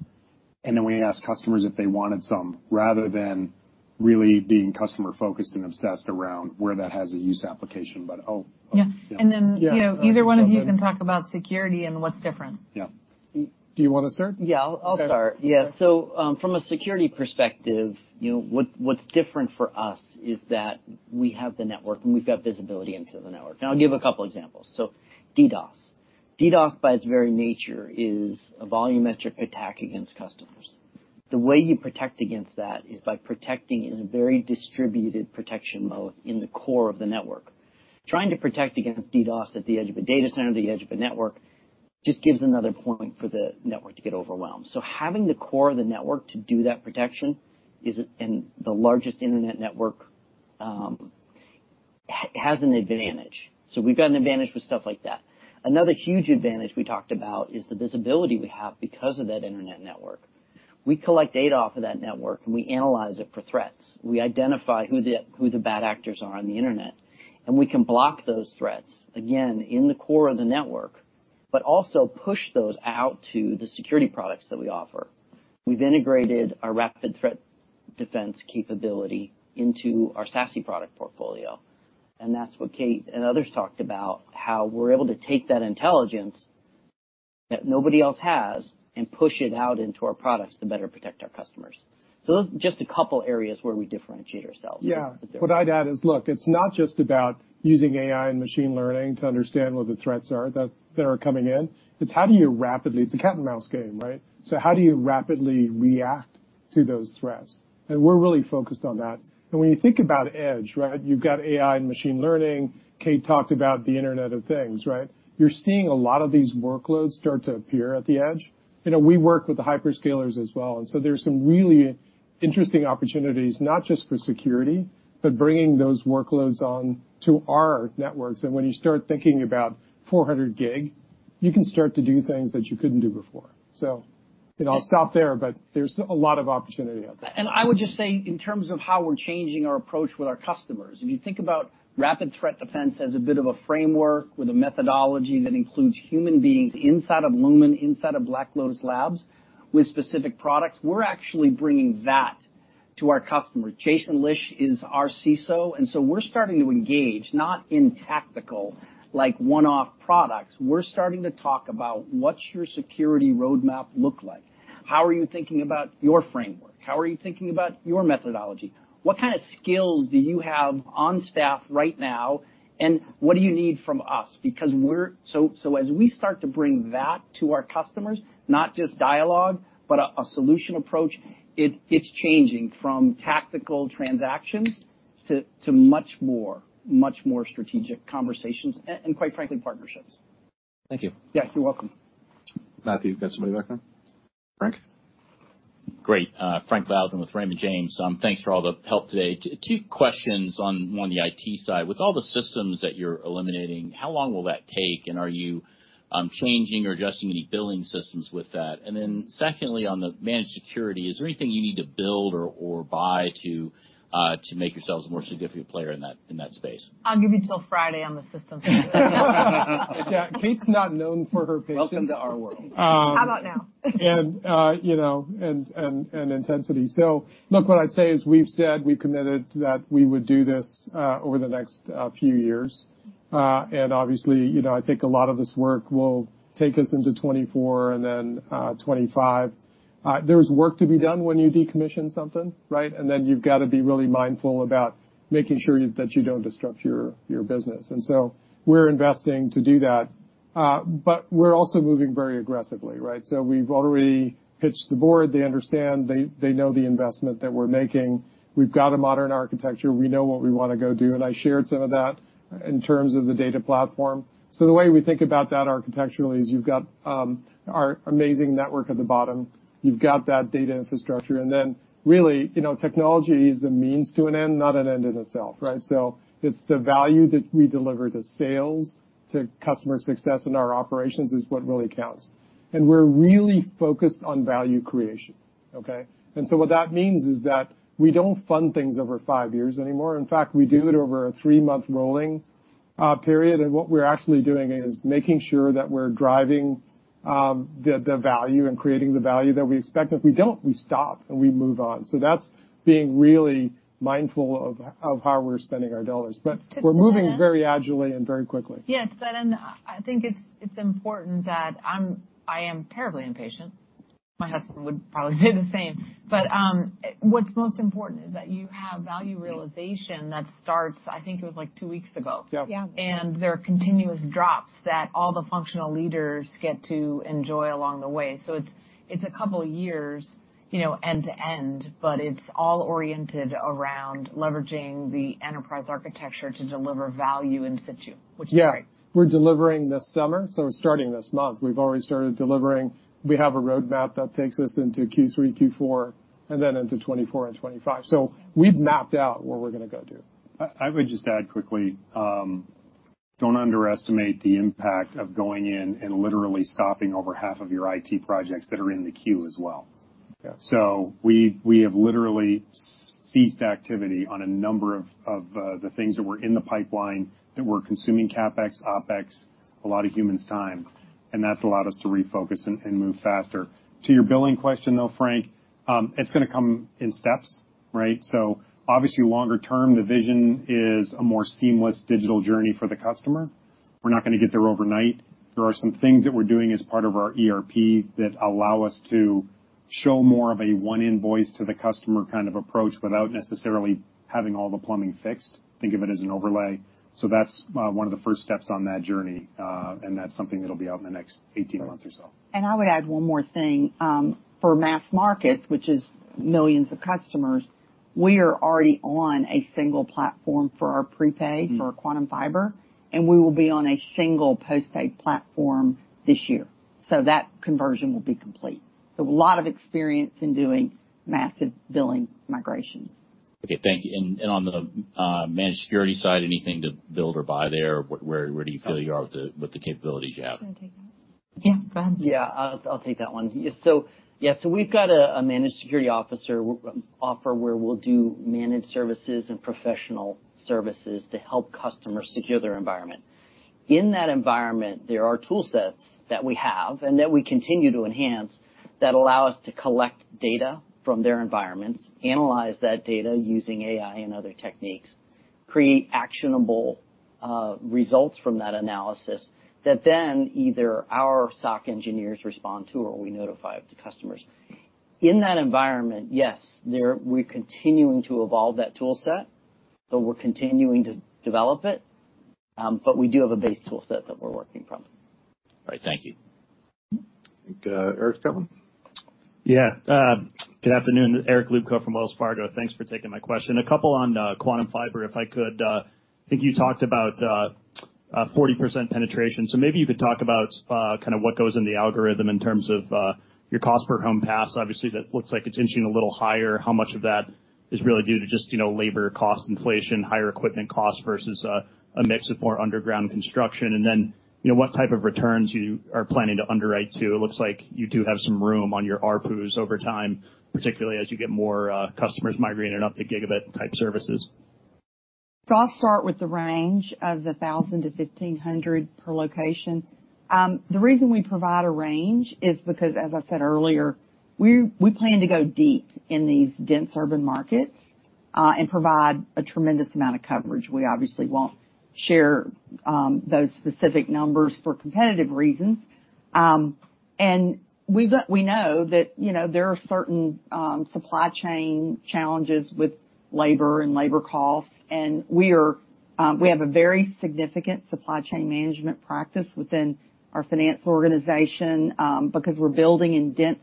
and then we asked customers if they wanted some, rather than really being customer-focused and obsessed around where that has a use application. Yeah. Yeah. And then- Yeah... you know, either one of you can talk about security and what's different. Yeah. Do you want to start? Yeah, I'll start. Okay. From a security perspective, you know, what's different for us is that we have the network, and we've got visibility into the network. I'll give a couple examples. DDoS. DDoS, by its very nature, is a volumetric attack against customers. The way you protect against that is by protecting in a very distributed protection mode in the core of the network. Trying to protect against DDoS at the edge of a data center, or the edge of a network, just gives another point for the network to get overwhelmed. Having the core of the network to do that protection is, and the largest Internet network, has an advantage. We've got an advantage with stuff like that. Another huge advantage we talked about is the visibility we have because of that Internet network. We collect data off of that network. We analyze it for threats. We identify who the bad actors are on the internet, and we can block those threats, again, in the core of the network, but also push those out to the security products that we offer. We've integrated our Rapid Threat Defense capability into our SASE product portfolio, and that's what Kate and others talked about, how we're able to take that intelligence that nobody else has and push it out into our products to better protect our customers. Those are just a couple areas where we differentiate ourselves. Yeah. What I'd add is, look, it's not just about using AI and machine learning to understand what the threats are that are coming in. It's how do you rapidly. It's a cat and mouse game, right? How do you rapidly react to those threats? We're really focused on that. When you think about edge, right, you've got AI and machine learning. Kate talked about the Internet of Things, right? You're seeing a lot of these workloads start to appear at the edge. You know, we work with the hyperscalers as well, and so there's some really interesting opportunities, not just for security, but bringing those workloads on to our networks. When you start thinking about 400 Gbps, you can start to do things that you couldn't do before. You know, I'll stop there, but there's a lot of opportunity out there. I would just say, in terms of how we're changing our approach with our customers, if you think about Rapid Threat Defense as a bit of a framework with a methodology that includes human beings inside of Lumen, inside of Black Lotus Labs, with specific products, we're actually bringing that to our customers. Jason Lish is our CISO. We're starting to engage, not in tactical, like one-off products. We're starting to talk about what's your security roadmap look like? How are you thinking about your framework? How are you thinking about your methodology? What kind of skills do you have on staff right now, and what do you need from us? As we start to bring that to our customers, not just dialogue, but a solution approach, it's changing from tactical transactions to much more strategic conversations and, quite frankly, partnerships. Thank you. Yeah, you're welcome. Matthew, you got somebody back there? Frank? Great. Frank Louthan with Raymond James. Thanks for all the help today. Two questions on, one the IT side. With all the systems that you're eliminating, how long will that take, and are you changing or adjusting any billing systems with that? Secondly, on the managed security, is there anything you need to build or buy to make yourselves a more significant player in that, in that space? I'll give you till Friday on the systems. Yeah, Kate's not known for her patience. Welcome to our world. How about now? You know, and intensity. Look, what I'd say is we've said we've committed that we would do this over the next few years. Obviously, you know, I think a lot of this work will take us into 2024 and then 2025. There's work to be done when you decommission something, right? You've got to be really mindful about making sure you, that you don't disrupt your business. We're investing to do that, but we're also moving very aggressively, right? We've already pitched the board. They understand. They know the investment that we're making. We've got a modern architecture. We know what we want to go do, and I shared some of that in terms of the data platform. The way we think about that architecturally is you've got our amazing network at the bottom, you've got that data infrastructure, then really, you know, technology is a means to an end, not an end in itself, right? It's the value that we deliver to sales, to customer success in our operations is what really counts. We're really focused on value creation, okay? What that means is that we don't fund things over five years anymore. In fact, we do it over a three-month rolling period. What we're actually doing is making sure that we're driving the value and creating the value that we expect. If we don't, we stop and we move on. That's being really mindful of how we're spending our dollars. We're moving very agilely and very quickly. I think it's important that I am terribly impatient. My husband would probably say the same, but, what's most important is that you have value realization that starts, I think it was, like, two weeks ago. Yeah. There are continuous drops that all the functional leaders get to enjoy along the way. It's a couple of years, you know, end to end, but it's all oriented around leveraging the enterprise architecture to deliver value in situ, which is great. Yeah. We're delivering this summer, we're starting this month. We've already started delivering. We have a roadmap that takes us into Q3, Q4, and then into 2024 and 2025. We've mapped out what we're going to go do. I would just add quickly, don't underestimate the impact of going in and literally stopping over half of your IT projects that are in the queue as well. Yeah. We have literally ceased activity on a number of the things that were in the pipeline that were consuming CapEx, OpEx, a lot of humans' time, and that's allowed us to refocus and move faster. To your billing question, though, Frank, it's going to come in steps, right? Obviously, longer term, the vision is a more seamless digital journey for the customer. We're not going to get there overnight. There are some things that we're doing as part of our ERP that allow us to show more of a one invoice to the customer kind of approach, without necessarily having all the plumbing fixed. Think of it as an overlay. That's one of the first steps on that journey, and that's something that'll be out in the next 18 months or so. I would add one more thing. For Mass Markets, which is millions of customers, we are already on a single platform for our prepaid, for our Quantum Fiber, and we will be on a single postpaid platform this year. That conversion will be complete. A lot of experience in doing massive billing migrations. Okay, thank you. On the managed security side, anything to build or buy there? Where do you feel you are with the capabilities you have? Can I take that? Yeah, go ahead. I'll take that one. We've got a managed security officer offer, where we'll do managed services and professional services to help customers secure their environment. In that environment, there are tool sets that we have and that we continue to enhance, that allow us to collect data from their environments, analyze that data using AI and other techniques, create actionable results from that analysis, that either our SOC engineers respond to or we notify the customers. In that environment, yes, there. We're continuing to evolve that tool set, so we're continuing to develop it, but we do have a base tool set that we're working from. All right. Thank you. I think, Eric Luebchow. Yeah. good afternoon. Eric Luebchow from Wells Fargo. Thanks for taking my question. A couple on Quantum Fiber, if I could. I think you talked about a 40% penetration, so maybe you could talk about kind of what goes in the algorithm in terms of your cost per home pass. Obviously, that looks like it's inching a little higher. How much of that is really due to just, you know, labor cost, inflation, higher equipment cost, versus a mix of more underground construction? You know, what type of returns you are planning to underwrite to? It looks like you do have some room on your ARPUs over time, particularly as you get more customers migrating up to gigabit-type services. I'll start with the range of the $1,000-$1,500 per location. The reason we provide a range is because, as I said earlier, we plan to go deep in these dense urban markets and provide a tremendous amount of coverage. We obviously won't share those specific numbers for competitive reasons. We know that, you know, there are certain supply chain challenges with labor and labor costs, and we have a very significant supply chain management practice within our finance organization. Because we're building in dense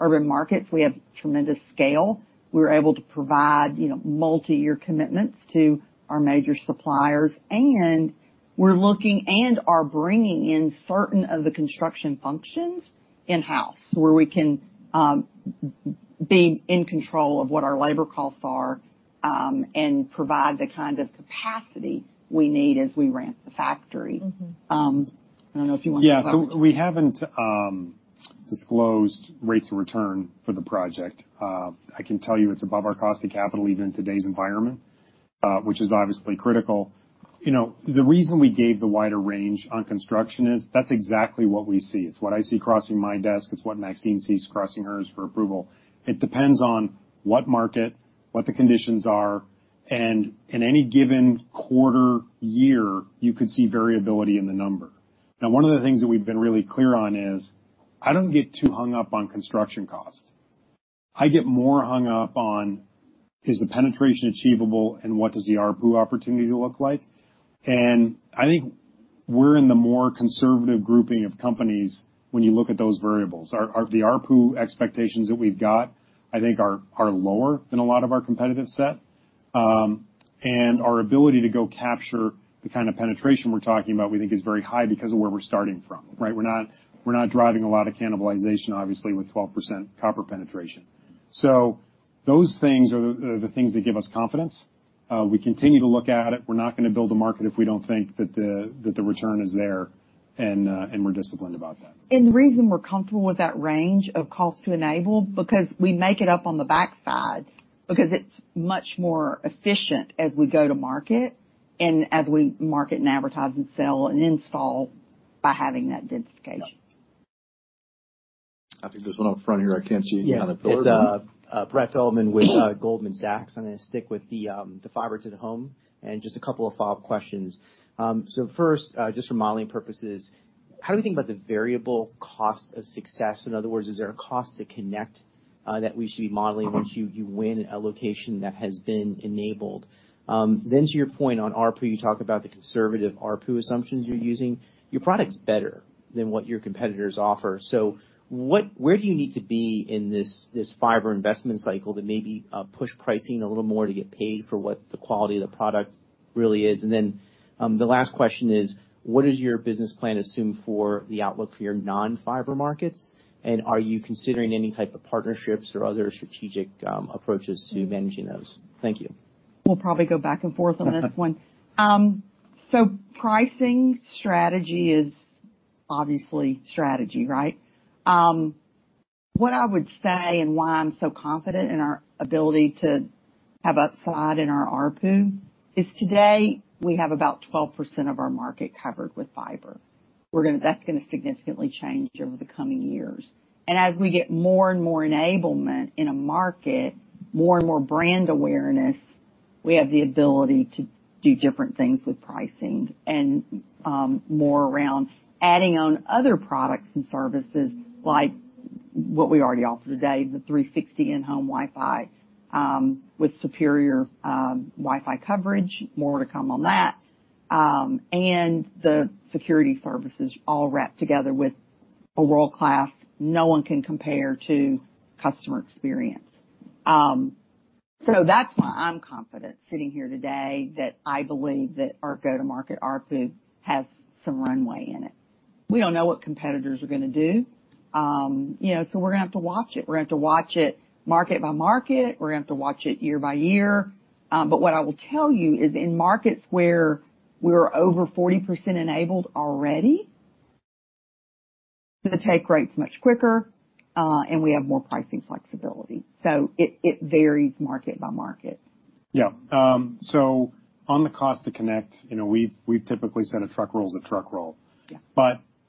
urban markets, we have tremendous scale. We're able to provide, you know, multiyear commitments to our major suppliers. We're looking and are bringing in certain of the construction functions in-house, where we can be in control of what our labor costs are and provide the kind of capacity we need as we ramp the factory. Mm-hmm. I don't know if you want to... Yeah. We haven't disclosed rates of return for the project. I can tell you it's above our cost of capital, even in today's environment, which is obviously critical. You know, the reason we gave the wider range on construction is that's exactly what we see. It's what I see crossing my desk. It's what Maxine sees crossing hers for approval. It depends on what market, what the conditions are, and in any given quarter, year, you could see variability in the number. One of the things that we've been really clear on is I don't get too hung up on construction cost. I get more hung up on, is the penetration achievable, and what does the ARPU opportunity look like? I think we're in the more conservative grouping of companies when you look at those variables. Our ARPU expectations that we've got, I think are lower than a lot of our competitive set. Our ability to go capture the kind of penetration we're talking about, we think is very high because of where we're starting from, right? We're not driving a lot of cannibalization, obviously, with 12% copper penetration. Those things are the things that give us confidence. We continue to look at it. We're not gonna build a market if we don't think that the return is there, and we're disciplined about that. The reason we're comfortable with that range of cost to enable, because we make it up on the backside, because it's much more efficient as we go to market and as we market and advertise and sell and install by having that density. I think there's one up front here. I can't see you behind the pillar. Yeah. It's Brett Feldman with Goldman Sachs. I'm gonna stick with the fiber to the home, just two follow-up questions. First, just for modeling purposes, how do you think about the variable cost of success? In other words, is there a cost to connect that we should be modeling once you win a location that has been enabled? To your point on ARPU, you talk about the conservative ARPU assumptions you're using. Your product's better than what your competitors offer, where do you need to be in this fiber investment cycle that maybe push pricing a little more to get paid for what the quality of the product really is? The last question is: What does your business plan assume for the outlook for your non-fiber markets, and are you considering any type of partnerships or other strategic approaches to managing those? Thank you. We'll probably go back and forth on this one. Pricing strategy is obviously strategy, right? What I would say and why I'm so confident in our ability to have upside in our ARPU, is today we have about 12% of our market covered with fiber. That's gonna significantly change over the coming years. As we get more and more enablement in a market, more and more brand awareness, we have the ability to do different things with pricing and more around adding on other products and services like what we already offer today, the 360 Wi-Fi in-home Wi-Fi, with superior Wi-Fi coverage. More to come on that. The security services all wrapped together with a world-class, no-one-can-compare-to customer experience. That's why I'm confident sitting here today, that I believe that our go-to-market ARPU has some runway in it. We don't know what competitors are gonna do. You know, we're gonna have to watch it. We're gonna have to watch it market by market. We're gonna have to watch it year by year. What I will tell you is in markets where we're over 40% enabled already, the take rate's much quicker, and we have more pricing flexibility, it varies market by market. Yeah. On the cost to connect, you know, we've typically said a truck roll is a truck roll. Yeah.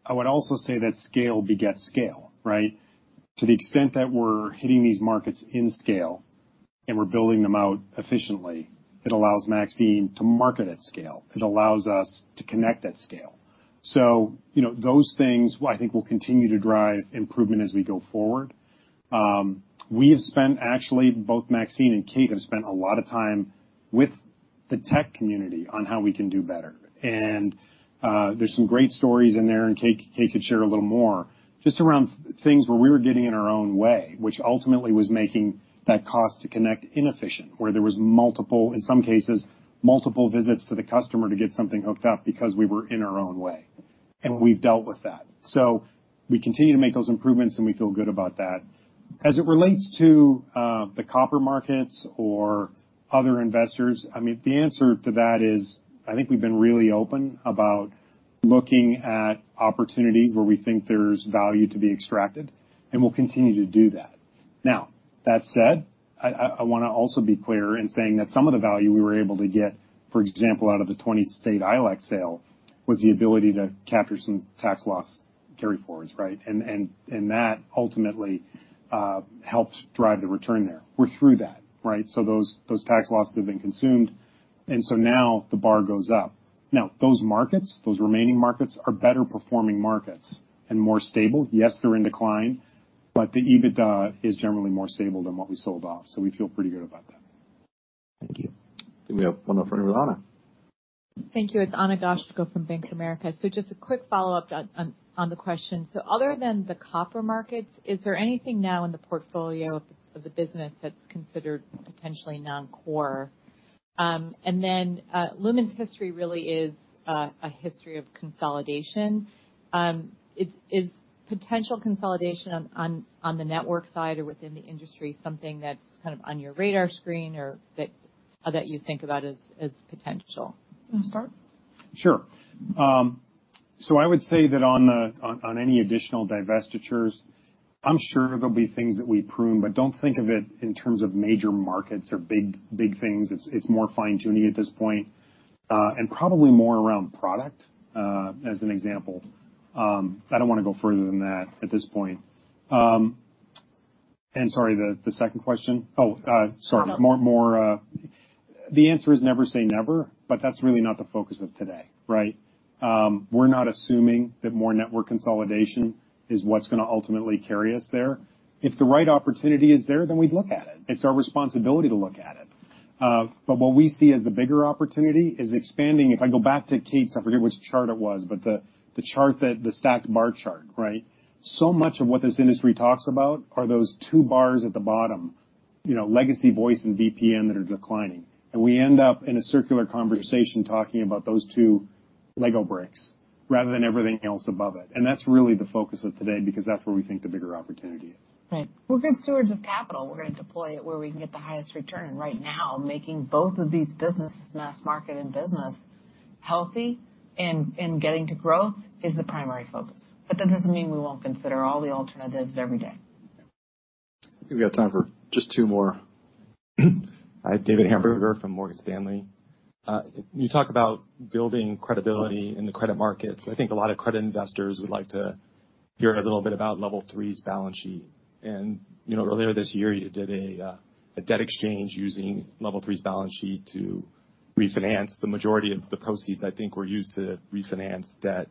I would also say that scale begets scale, right? To the extent that we're hitting these markets in scale, and we're building them out efficiently, it allows Maxine to market at scale. It allows us to connect at scale. You know, those things, I think, will continue to drive improvement as we go forward. We have spent, actually, both Maxine and Kate have spent a lot of time with the tech community on how we can do better. There's some great stories in there, and Kate could share a little more, just around things where we were getting in our own way, which ultimately was making that cost to connect inefficient, where there was multiple, in some cases, multiple visits to the customer to get something hooked up because we were in our own way, and we've dealt with that. We continue to make those improvements, and we feel good about that. As it relates to the copper markets or other investors, I mean, the answer to that is, I think we've been really open about looking at opportunities where we think there's value to be extracted, and we'll continue to do that. That said, I wanna also be clear in saying that some of the value we were able to get, for example, out of the 20-state ILEC sale, was the ability to capture some tax loss carry-forwards, right? That ultimately helped drive the return there. We're through that, right? Those tax losses have been consumed, now the bar goes up. Those remaining markets are better performing markets and more stable. They're in decline. The EBITDA is generally more stable than what we sold off. We feel pretty good about that. Thank you. We have one up front here with Ana. Thank you. It's Ana Goshko from Bank of America. Just a quick follow-up on the question. Other than the copper markets, is there anything now in the portfolio of the business that's considered potentially non-core? Lumen's history really is a history of consolidation. Is potential consolidation on the network side or within the industry, something that's kind of on your radar screen or that you think about as potential? You want to start? Sure. I would say that on any additional divestitures, I'm sure there'll be things that we prune, but don't think of it in terms of major markets or big things. It's more fine-tuning at this point, and probably more around product as an example. I don't want to go further than that at this point. Sorry, the second question? Oh, sorry. More, the answer is never say never, but that's really not the focus of today, right? We're not assuming that more network consolidation is what's gonna ultimately carry us there. If the right opportunity is there, then we'd look at it. It's our responsibility to look at it. What we see as the bigger opportunity is expanding. If I go back to Kate's, I forget which chart it was, but the stacked bar chart, right? Much of what this industry talks about are those two bars at the bottom, you know, legacy voice and VPN that are declining. We end up in a circular conversation talking about those two Lego bricks rather than everything else above it. That's really the focus of today, because that's where we think the bigger opportunity is. Right. We're good stewards of capital. We're gonna deploy it where we can get the highest return. Right now, making both of these businesses, mass market and business, healthy and getting to growth is the primary focus. That doesn't mean we won't consider all the alternatives every day. We've got time for just two more. Hi, David Hamburger from Morgan Stanley. You talk about building credibility in the credit markets. I think a lot of credit investors would like to hear a little bit about Level 3's balance sheet. You know, earlier this year, you did a debt exchange using Level 3's balance sheet to refinance. The majority of the proceeds, I think, were used to refinance debt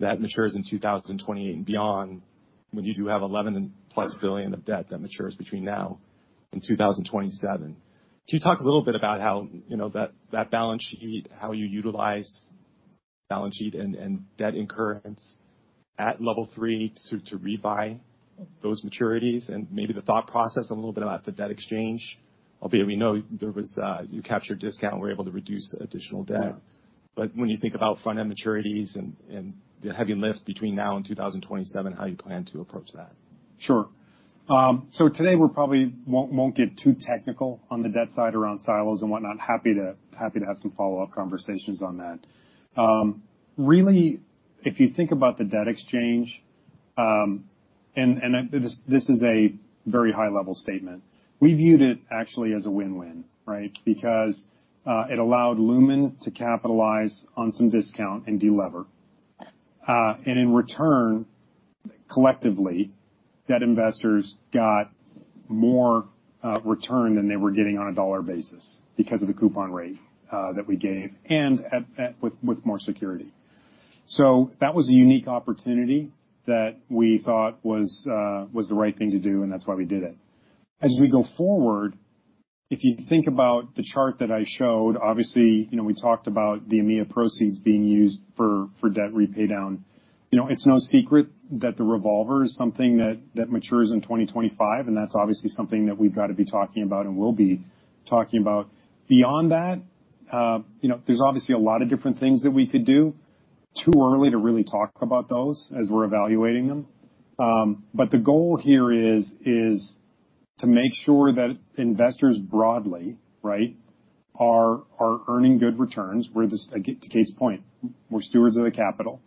that matures in 2028 and beyond, when you do have $11+ billion of debt that matures between now and 2027. Can you talk a little bit about how you know that balance sheet, how you utilize balance sheet and debt incurrence at Level 3 to refi those maturities? Maybe the thought process a little bit about the debt exchange. Albeit we know there was a... You captured discount and were able to reduce additional debt. When you think about front-end maturities and the heavy lift between now and 2027, how you plan to approach that? Sure. Today, we're probably won't get too technical on the debt side around silos and whatnot. Happy to have some follow-up conversations on that. Really, if you think about the debt exchange, and this is a very high-level statement. We viewed it actually as a win-win, right? Because it allowed Lumen to capitalize on some discount and delever. And in return, collectively, debt investors got more return than they were getting on a dollar basis because of the coupon rate that we gave, and with more security. That was a unique opportunity that we thought was the right thing to do, and that's why we did it. As we go forward, if you think about the chart that I showed, obviously, you know, we talked about the EMEA proceeds being used for debt repay down. You know, it's no secret that the revolver is something that matures in 2025, and that's obviously something that we've got to be talking about and will be talking about. Beyond that, you know, there's obviously a lot of different things that we could do. Too early to really talk about those as we're evaluating them. The goal here is to make sure that investors broadly, right, are earning good returns. Again, to Kate's point, we're stewards of the capital.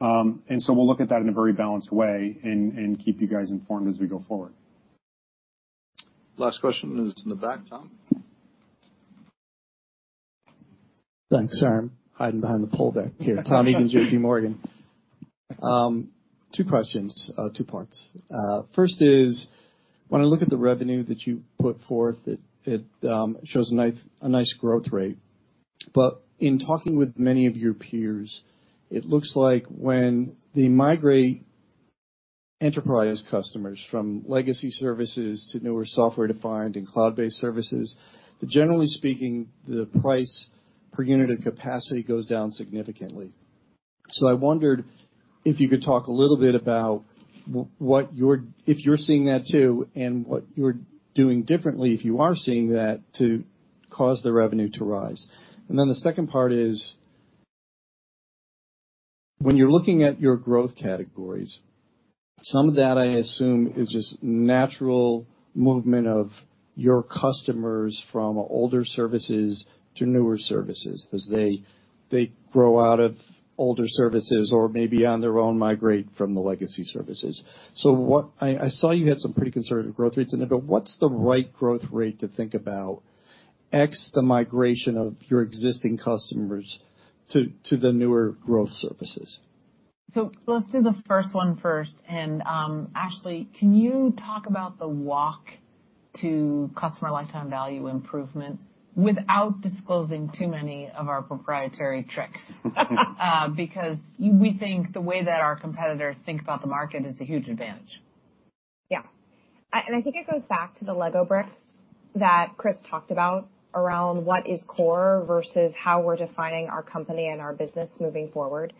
We'll look at that in a very balanced way and keep you guys informed as we go forward. Last question is in the back. Tom? Thanks. Sorry, I'm hiding behind the poll back here. Tom Egan, JPMorgan. Two questions, two parts. First is, when I look at the revenue that you put forth, it shows a nice growth rate. In talking with many of your peers, it looks like when they migrate enterprise customers from legacy services to newer software-defined and cloud-based services, generally speaking, the price per unit of capacity goes down significantly. I wondered if you could talk a little bit about what you're if you're seeing that, too, and what you're doing differently, if you are seeing that, to cause the revenue to rise. The second part is, when you're looking at your growth categories, some of that, I assume, is just natural movement of your customers from older services to newer services as they grow out of older services or maybe on their own migrate from the legacy services. What I saw you had some pretty conservative growth rates in there, but what's the right growth rate to think about, X, the migration of your existing customers to the newer growth services? Let's do the first one first. Ashley, can you talk about the walk to customer lifetime value improvement without disclosing too many of our proprietary tricks? We think the way that our competitors think about the market is a huge advantage. Yeah. I think it goes back to the Lego bricks that Chris talked about around what is core versus how we're defining our company and our business moving forward.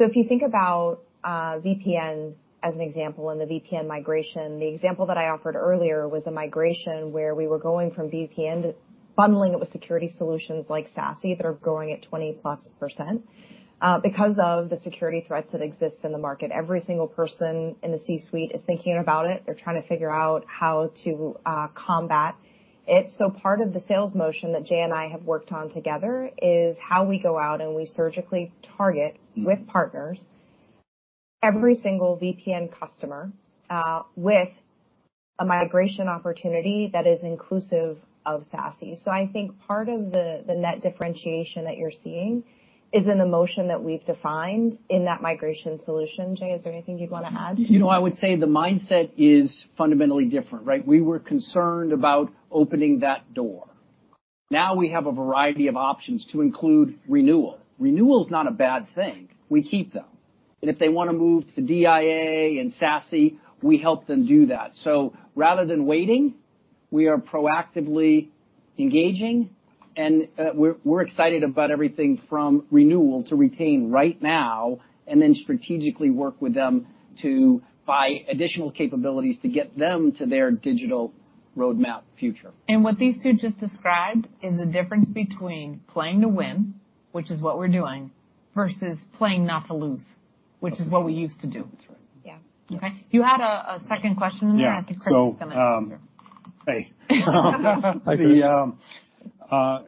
If you think about VPN as an example, and the VPN migration, the example that I offered earlier was a migration where we were going from VPN to bundling it with security solutions like SASE, that are growing at 20+%. Because of the security threats that exist in the market, every single person in the C-suite is thinking about it. They're trying to figure out how to combat it. Part of the sales motion that Jay and I have worked on together is how we go out and we surgically target, with partners, every single VPN customer with a migration opportunity that is inclusive of SASE. I think part of the net differentiation that you're seeing is an emotion that we've defined in that migration solution. Jay, is there anything you'd want to add? You know, I would say the mindset is fundamentally different, right? We were concerned about opening that door. We have a variety of options to include renewal. Renewal is not a bad thing. We keep them, and if they want to move to DIA and SASE, we help them do that. Rather than waiting, we are proactively engaging, and we're excited about everything from renewal to retain right now, and then strategically work with them to buy additional capabilities to get them to their digital roadmap future. What these two just described is the difference between playing to win, which is what we're doing, versus playing not to lose, which is what we used to do. That's right. Yeah. Okay. You had a second question? Yeah. I think Chris is going to answer. Hey. Hi, Chris. The,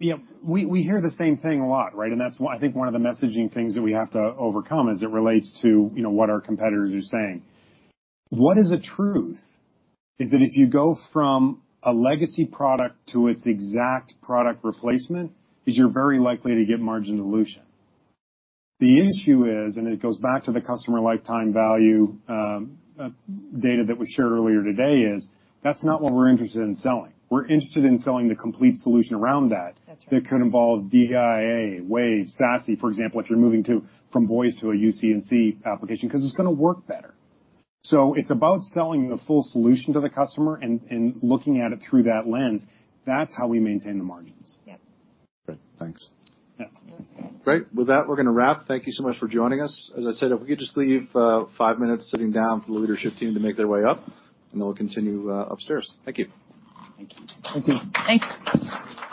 yeah, we hear the same thing a lot, right? That's, I think one of the messaging things that we have to overcome as it relates to, you know, what our competitors are saying. What is the truth is that if you go from a legacy product to its exact product replacement, is you're very likely to get margin dilution. The issue is, it goes back to the customer lifetime value data that was shared earlier today, is that's not what we're interested in selling. We're interested in selling the complete solution around that- That's right. that could involve DIA, Wave, SASE, for example, if you're moving to, from voice to a UC&C application, 'cause it's gonna work better. It's about selling the full solution to the customer and looking at it through that lens. That's how we maintain the margins. Yep. Great, thanks. Yeah. Mm-hmm. Great. With that, we're gonna wrap. Thank you so much for joining us. As I said, if we could just leave five minutes sitting down for the leadership team to make their way up, we'll continue upstairs. Thank you. Thank you. Thank you.